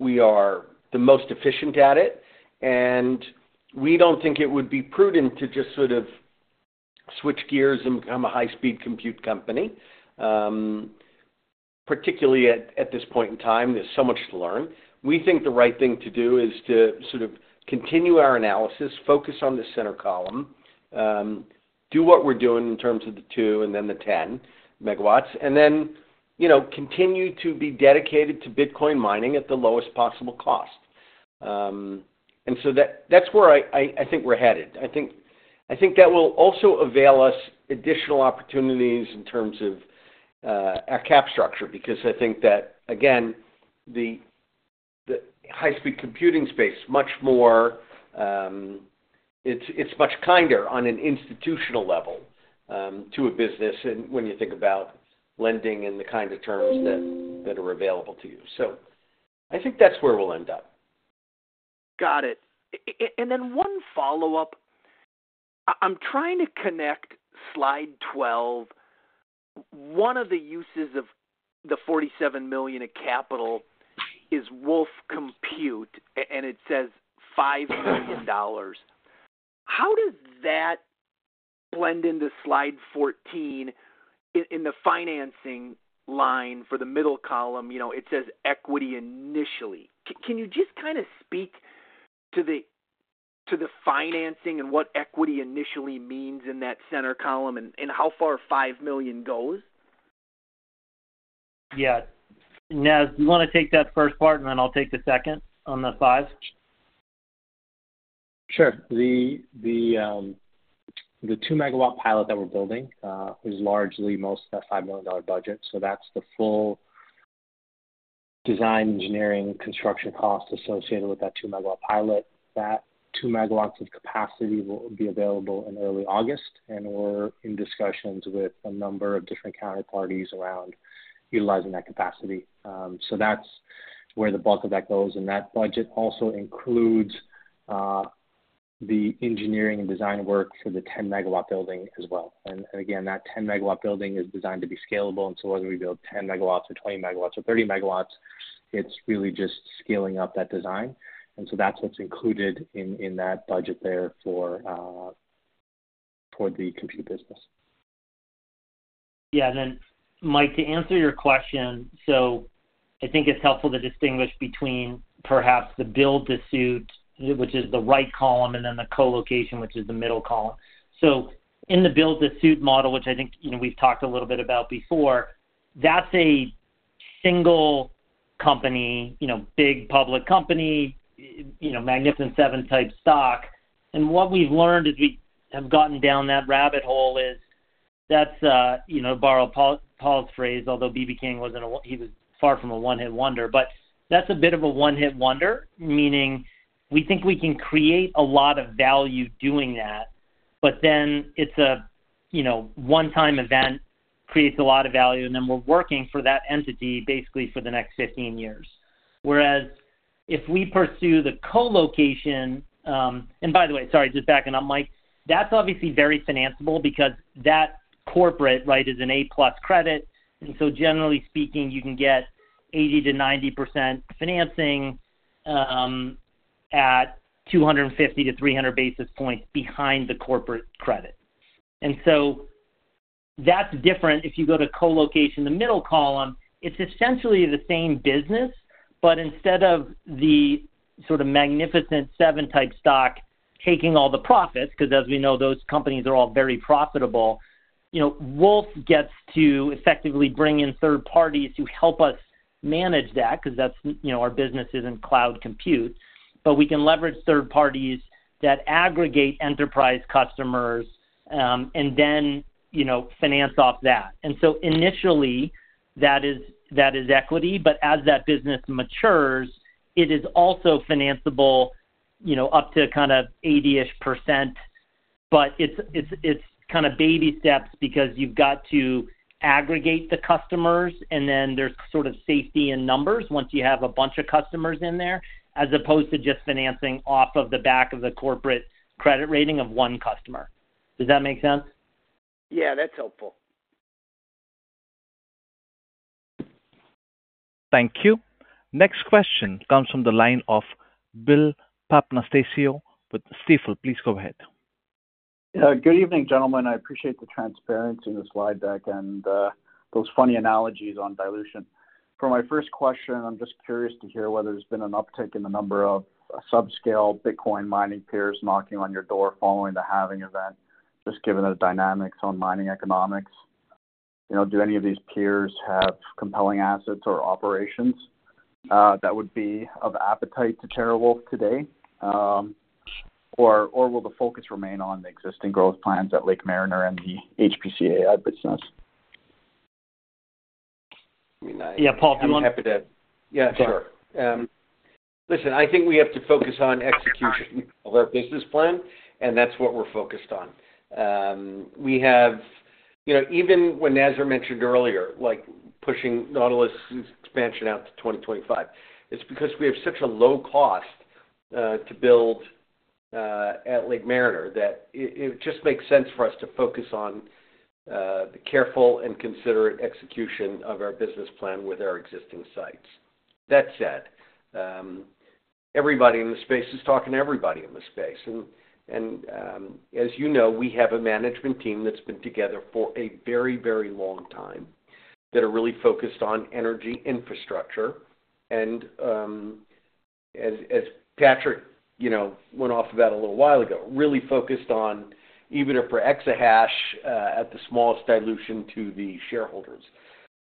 We are the most efficient at it, and we don't think it would be prudent to just sort of switch gears and become a high-speed compute company, particularly at this point in time, there's so much to learn. We think the right thing to do is to sort of continue our analysis, focus on the center column, do what we're doing in terms of the 2 and then the 10 MW, and then, you know, continue to be dedicated to Bitcoin mining at the lowest possible cost. And so that's where I think we're headed. I think that will also avail us additional opportunities in terms of our cap structure, because I think that, again, the high-speed computing space, much more, it's much kinder on an institutional level to a business, and when you think about lending and the kind of terms that are available to you. So I think that's where we'll end up. Got it. And then one follow-up. I'm trying to connect slide 12. One of the uses of the $47 million in capital is WULF Den, and it says $5 million. How does that blend into slide 14 in the financing line for the middle column? You know, it says equity initially. Can you just kinda speak to the financing and what equity initially means in that center column, and how far $5 million goes?... Yeah. Naz, you want to take that first part, and then I'll take the second on the five? Sure. The 2-megawatt pilot that we're building is largely most of that $5 million budget. So that's the full design, engineering, construction cost associated with that 2-megawatt pilot. That 2 megawatts of capacity will be available in early August, and we're in discussions with a number of different counterparties around utilizing that capacity. So that's where the bulk of that goes. And that budget also includes the engineering and design work for the 10-megawatt building as well. And, again, that 10-megawatt building is designed to be scalable, and so whether we build 10 megawatts or 20 megawatts or 30 megawatts, it's really just scaling up that design. And so that's what's included in that budget there for toward the compute business. Yeah. And then, Mike, to answer your question, so I think it's helpful to distinguish between perhaps the build to suit, which is the right column, and then the co-location, which is the middle column. So in the build to suit model, which I think, you know, we've talked a little bit about before, that's a single company, you know, big public company, you know, Magnificent Seven type stock. What we've learned as we have gotten down that rabbit hole is that's, you know, to borrow Paul, Paul's phrase, although B.B. King wasn't a one—he was far from a one hit wonder, but that's a bit of a one hit wonder, meaning we think we can create a lot of value doing that, but then it's a, you know, one-time event, creates a lot of value, and then we're working for that entity basically for the next 15 years. Whereas if we pursue the co-location... And by the way, sorry, just backing up, Mike, that's obviously very financeable because that corporate, right, is an A-plus credit. And so generally speaking, you can get 80%-90% financing at 250-300 basis points behind the corporate credit. And so that's different. If you go to co-location, the middle column, it's essentially the same business, but instead of the sort of magnificent seven type stock taking all the profits, because as we know, those companies are all very profitable, you know, Wulf gets to effectively bring in third parties to help us manage that, because that's, you know, our business is in cloud compute. But we can leverage third parties that aggregate enterprise customers, and then, you know, finance off that. And so initially, that is, that is equity, but as that business matures, it is also financeable, you know, up to kind of 80-ish%. It's kind of baby steps because you've got to aggregate the customers, and then there's sort of safety in numbers once you have a bunch of customers in there, as opposed to just financing off of the back of the corporate credit rating of one customer. Does that make sense? Yeah, that's helpful. Thank you. Next question comes from the line of Bill Papanastasiou with Stifel. Please go ahead. Good evening, gentlemen. I appreciate the transparency in the slide deck and those funny analogies on dilution. For my first question, I'm just curious to hear whether there's been an uptick in the number of subscale Bitcoin mining peers knocking on your door following the Halving event, just given the dynamics on mining economics. You know, do any of these peers have compelling assets or operations that would be of appetite to TeraWulf today? Or will the focus remain on the existing growth plans at Lake Mariner and the HPC AI business? Yeah, Paul, do you want? I'm happy to. Yeah, sure. Listen, I think we have to focus on execution of our business plan, and that's what we're focused on. We have. You know, even when Nazar mentioned earlier, like pushing Nautilus's expansion out to 2025, it's because we have such a low cost to build at Lake Mariner, that it just makes sense for us to focus on the careful and considerate execution of our business plan with our existing sites. That said, everybody in the space is talking to everybody in the space. And, as you know, we have a management team that's been together for a very, very long time, that are really focused on energy infrastructure. As Patrick, you know, went off about a little while ago, really focused on EBITDA per exahash at the smallest dilution to the shareholders.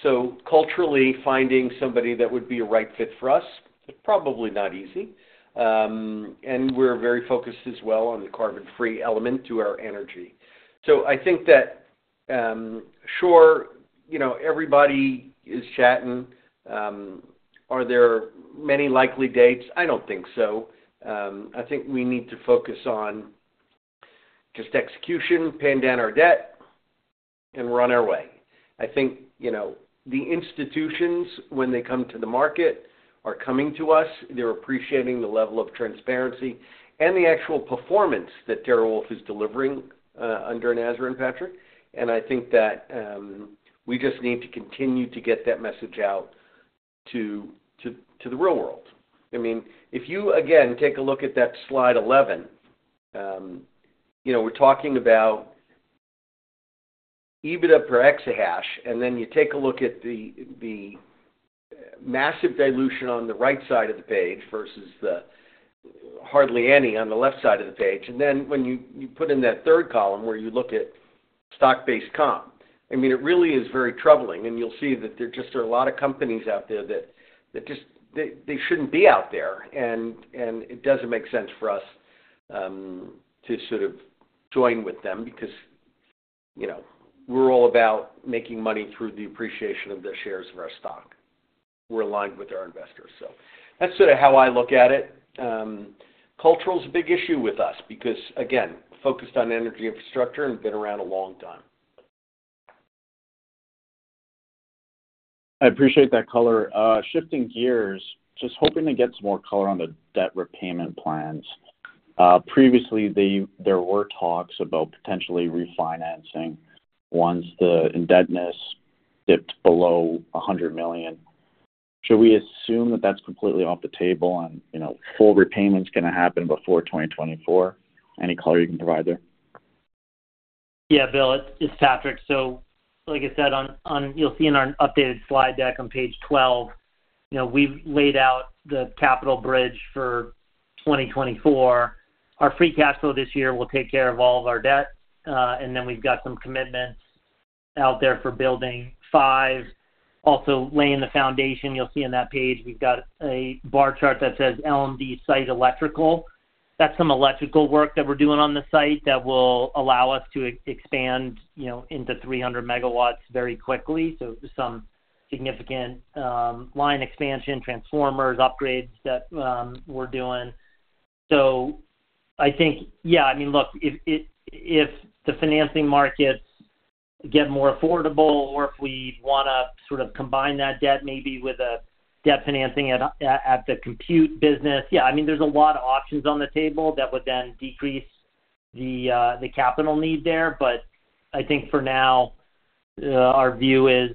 So culturally, finding somebody that would be a right fit for us is probably not easy. And we're very focused as well on the carbon-free element to our energy. So I think that, sure, you know, everybody is chatting. Are there many likely dates? I don't think so. I think we need to focus on just execution, paying down our debt, and run our way. I think, you know, the institutions, when they come to the market, are coming to us. They're appreciating the level of transparency and the actual performance that TeraWulf is delivering under Nazar and Patrick. I think that we just need to continue to get that message out to the real world. I mean, if you, again, take a look at that slide 11, you know, we're talking about EBITDA per exahash, and then you take a look at the massive dilution on the right side of the page versus hardly any on the left side of the page. And then when you put in that third column where you look at stock-based comp, I mean, it really is very troubling, and you'll see that there just are a lot of companies out there that just they shouldn't be out there. And it doesn't make sense for us to sort of join with them because, you know, we're all about making money through the appreciation of the shares of our stock. We're aligned with our investors. That's sort of how I look at it. Culture is a big issue with us because, again, focused on energy infrastructure and been around a long time. I appreciate that color. Shifting gears, just hoping to get some more color on the debt repayment plans. Previously, there were talks about potentially refinancing once the indebtedness dipped below $100 million. Should we assume that that's completely off the table and, you know, full repayment's gonna happen before 2024? Any color you can provide there? Yeah, Bill, it's Patrick. So like I said, on, you'll see in our updated slide deck on page 12, you know, we've laid out the capital bridge for 2024. Our free cash flow this year will take care of all of our debt, and then we've got some commitments out there for building 5. Also, laying the foundation, you'll see on that page, we've got a bar chart that says LMD site electrical. That's some electrical work that we're doing on the site that will allow us to expand, you know, into 300 MW very quickly. So some significant line expansion, transformers, upgrades that we're doing. So I think, yeah, I mean, look, if the financing markets get more affordable or if we wanna sort of combine that debt maybe with a debt financing at the compute business, yeah, I mean, there's a lot of options on the table that would then decrease the capital need there. But I think for now, our view is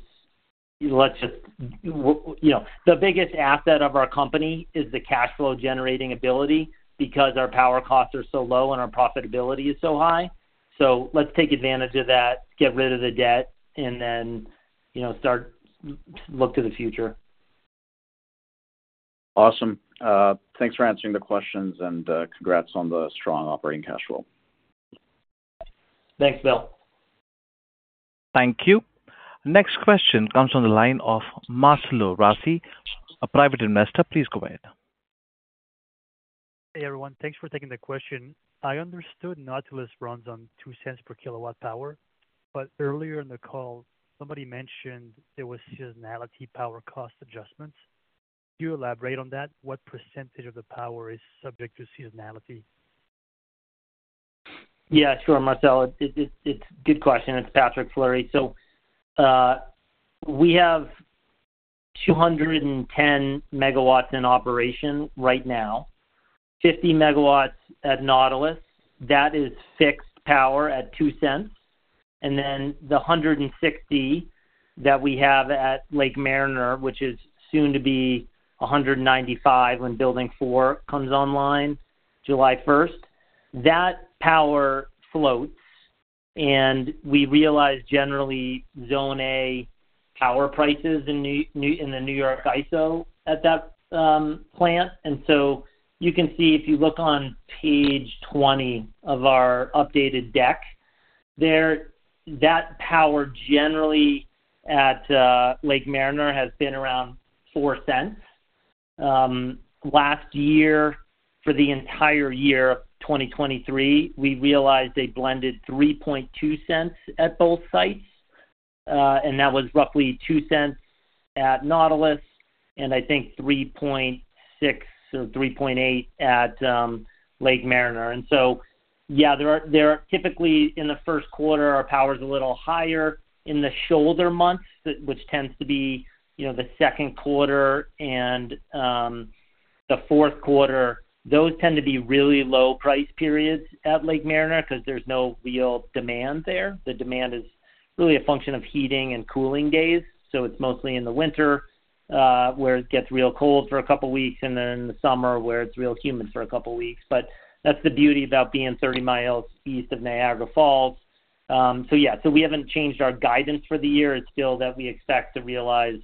let's just, you know, the biggest asset of our company is the cash flow generating ability because our power costs are so low and our profitability is so high. So let's take advantage of that, get rid of the debt, and then, you know, start to look to the future. Awesome. Thanks for answering the questions, and congrats on the strong operating cash flow. Thanks, Bill. Thank you. Next question comes from the line of Marcelo Rasi, a private investor. Please go ahead. Hey, everyone. Thanks for taking the question. I understood Nautilus runs on $0.02 per kWh, but earlier in the call, somebody mentioned there was seasonality power cost adjustments. Can you elaborate on that? What percentage of the power is subject to seasonality? Yeah, sure, Marcelo. It's a good question. It's Patrick Fleury. So, we have 210 MW in operation right now, 50 MW at Nautilus. That is fixed power at $0.02. And then the 160 that we have at Lake Mariner, which is soon to be 195 when Building 4 comes online July first, that power floats, and we realize generally Zone A power prices in New York ISO at that plant. And so you can see, if you look on page 20 of our updated deck, that power generally at Lake Mariner has been around $0.04. Last year, for the entire year, 2023, we realized a blended $0.032 at both sites, and that was roughly $0.02 at Nautilus and I think $0.036 or $0.038 at Lake Mariner. Yeah, there are typically in the first quarter, our power is a little higher. In the shoulder months, which tends to be, you know, the second quarter and the fourth quarter, those tend to be really low price periods at Lake Mariner because there's no real demand there. The demand is really a function of heating and cooling days, so it's mostly in the winter, where it gets real cold for a couple of weeks, and then in the summer, where it's real humid for a couple of weeks. But that's the beauty about being 30 miles east of Niagara Falls.So yeah, so we haven't changed our guidance for the year. It's still that we expect to realize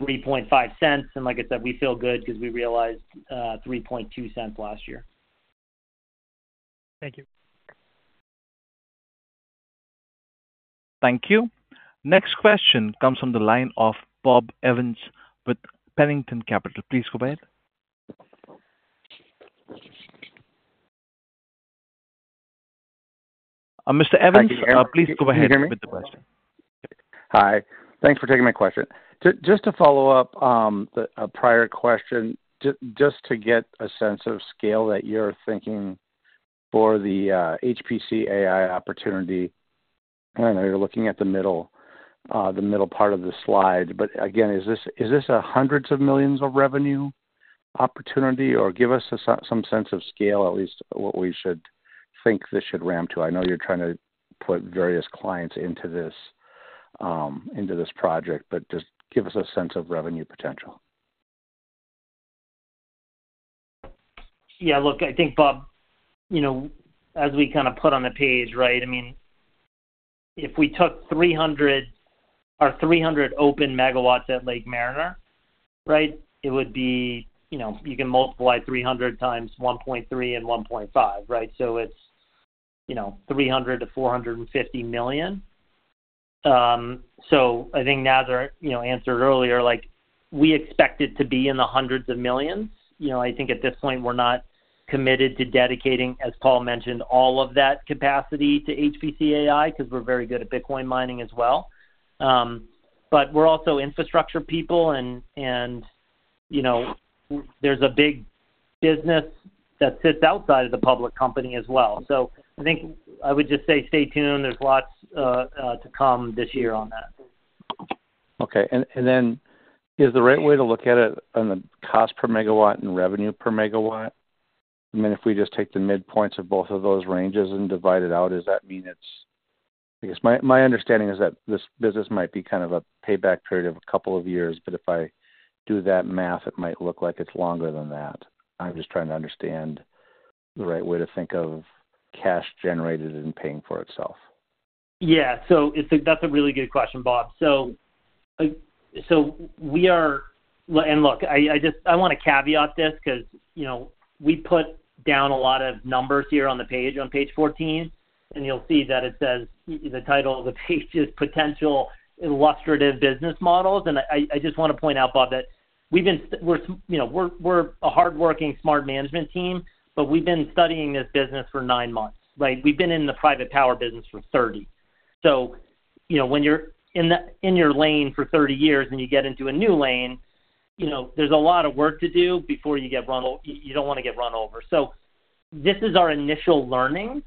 $0.035, and like I said, we feel good because we realized $0.032 last year. Thank you. Thank you. Next question comes from the line of Bob Evans with Pennington Capital. Please go ahead. Mr. Evans, please go ahead with the question. Can you hear me? Hi. Thanks for taking my question. Just to follow up on a prior question, just to get a sense of scale that you're thinking for the HPC AI opportunity. I know you're looking at the middle part of the slide, but again, is this a hundreds of millions of revenue opportunity? Or give us some sense of scale, at least what we should think this should ramp to. I know you're trying to put various clients into this project, but just give us a sense of revenue potential. Yeah, look, I think, Bob, you know, as we kind of put on the page, right, I mean, if we took our 300 open MW at Lake Mariner, right? It would be, you know, you can multiply 300 times 1.3 and 1.5, right? So it's, you know, $300 million-$450 million. So I think Nazar, you know, answered earlier, like, we expect it to be in the $hundreds of millions. You know, I think at this point, we're not committed to dedicating, as Paul mentioned, all of that capacity to HPC AI, because we're very good at Bitcoin mining as well. But we're also infrastructure people, and, you know, there's a big business that sits outside of the public company as well. So I think I would just say stay tuned. There's lots to come this year on that. Okay. And then is the right way to look at it on the cost per megawatt and revenue per megawatt? I mean, if we just take the midpoints of both of those ranges and divide it out, does that mean it's, because my understanding is that this business might be kind of a payback period of a couple of years, but if I do that math, it might look like it's longer than that. I'm just trying to understand the right way to think of cash generated and paying for itself. Yeah. So it's a—that's a really good question, Bob. So, so we are. And look, I, I just—I wanna caveat this because, you know, we put down a lot of numbers here on the page, on page 14, and you'll see that it says, the title of the page is Potential Illustrative Business Models. And I, I just want to point out, Bob, that we've been, we're, you know, we're, we're a hardworking, smart management team, but we've been studying this business for nine months. Right? We've been in the private power business for 30. So, you know, when you're in the—in your lane for 30 years and you get into a new lane, you know, there's a lot of work to do before you get run, you don't wanna get run over. So this is our initial learning.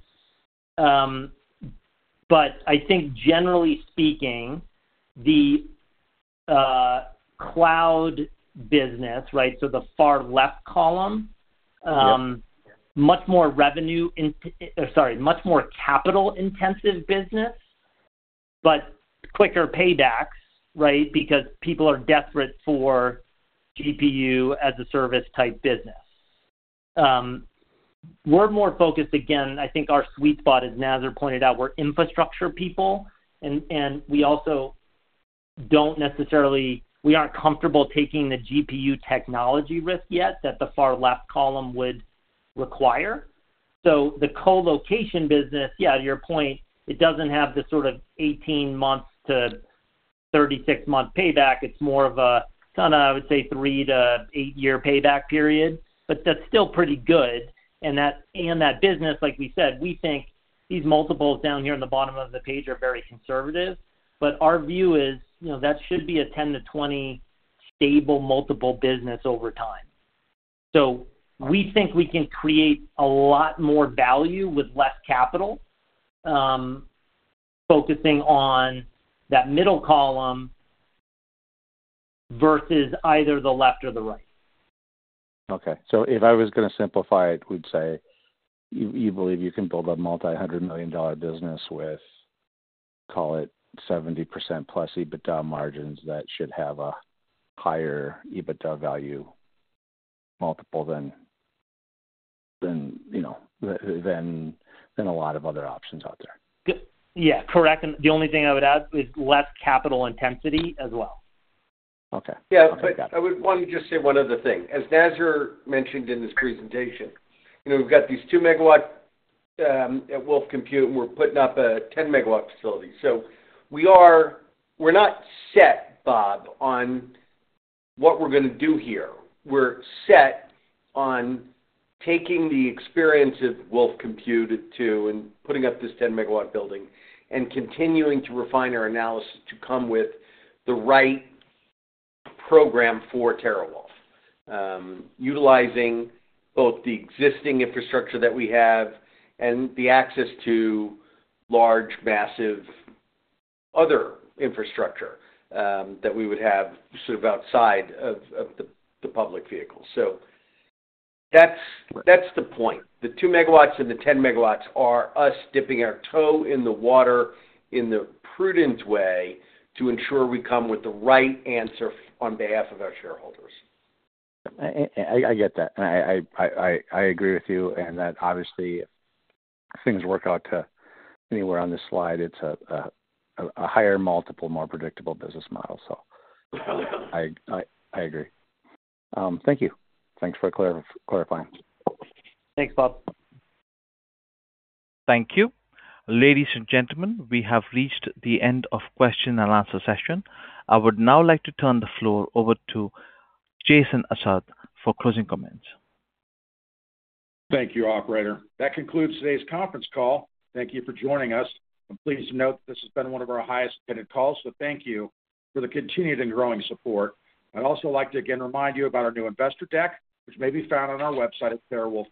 But I think generally speaking, the cloud business, right, so the far left column, Yep. Much more revenue in, sorry, much more capital-intensive business, but quicker paybacks, right? Because people are desperate for GPU as a service type business. We're more focused again, I think our sweet spot, as Nazar pointed out, we're infrastructure people, and we also don't necessarily, we aren't comfortable taking the GPU technology risk yet, that the far left column would require. So the colocation business, yeah, to your point, it doesn't have the sort of 18-month to 36-month payback. It's more of a kinda, I would say, 3- to 8-year payback period, but that's still pretty good. And that business, like we said, we think these multiples down here on the bottom of the page are very conservative, but our view is, you know, that should be a 10- to 20- stable multiple business over time. We think we can create a lot more value with less capital, focusing on that middle column versus either the left or the right. Okay. So if I was gonna simplify it, we'd say, you, you believe you can build a multi-hundred-million-dollar business with, call it 70%+ EBITDA margins, that should have a higher EBITDA value multiple than, than, you know, than, than a lot of other options out there? Good. Yeah, correct. And the only thing I would add is less capital intensity as well. Okay. Yeah, but I would want to just say one other thing. As Nazar mentioned in this presentation, you know, we've got these 2 MW at WULF Den, and we're putting up a 10-MW facility. So we are, we're not set, Bob, on what we're gonna do here. We're set on taking the experience of WULF Den to, and putting up this 10-MW building, and continuing to refine our analysis to come with the right program for TeraWulf, utilizing both the existing infrastructure that we have and the access to large, massive other infrastructure that we would have sort of outside of the public vehicle. So that's, that's the point. The 2 MW and the 10 MW are us dipping our toe in the water in the prudent way to ensure we come with the right answer on behalf of our shareholders. I get that, and I agree with you, and that obviously, if things work out to anywhere on this slide, it's a higher multiple, more predictable business model. So I agree. Thank you. Thanks for clarifying. Thanks, Bob. Thank you. Ladies and gentlemen, we have reached the end of question and answer session. I would now like to turn the floor over to Jason Assad for closing comments. Thank you, operator. That concludes today's conference call. Thank you for joining us. Please note this has been one of our highest attended calls, so thank you for the continued and growing support. I'd also like to again remind you about our new investor deck, which may be found on our website at TeraWulf.com.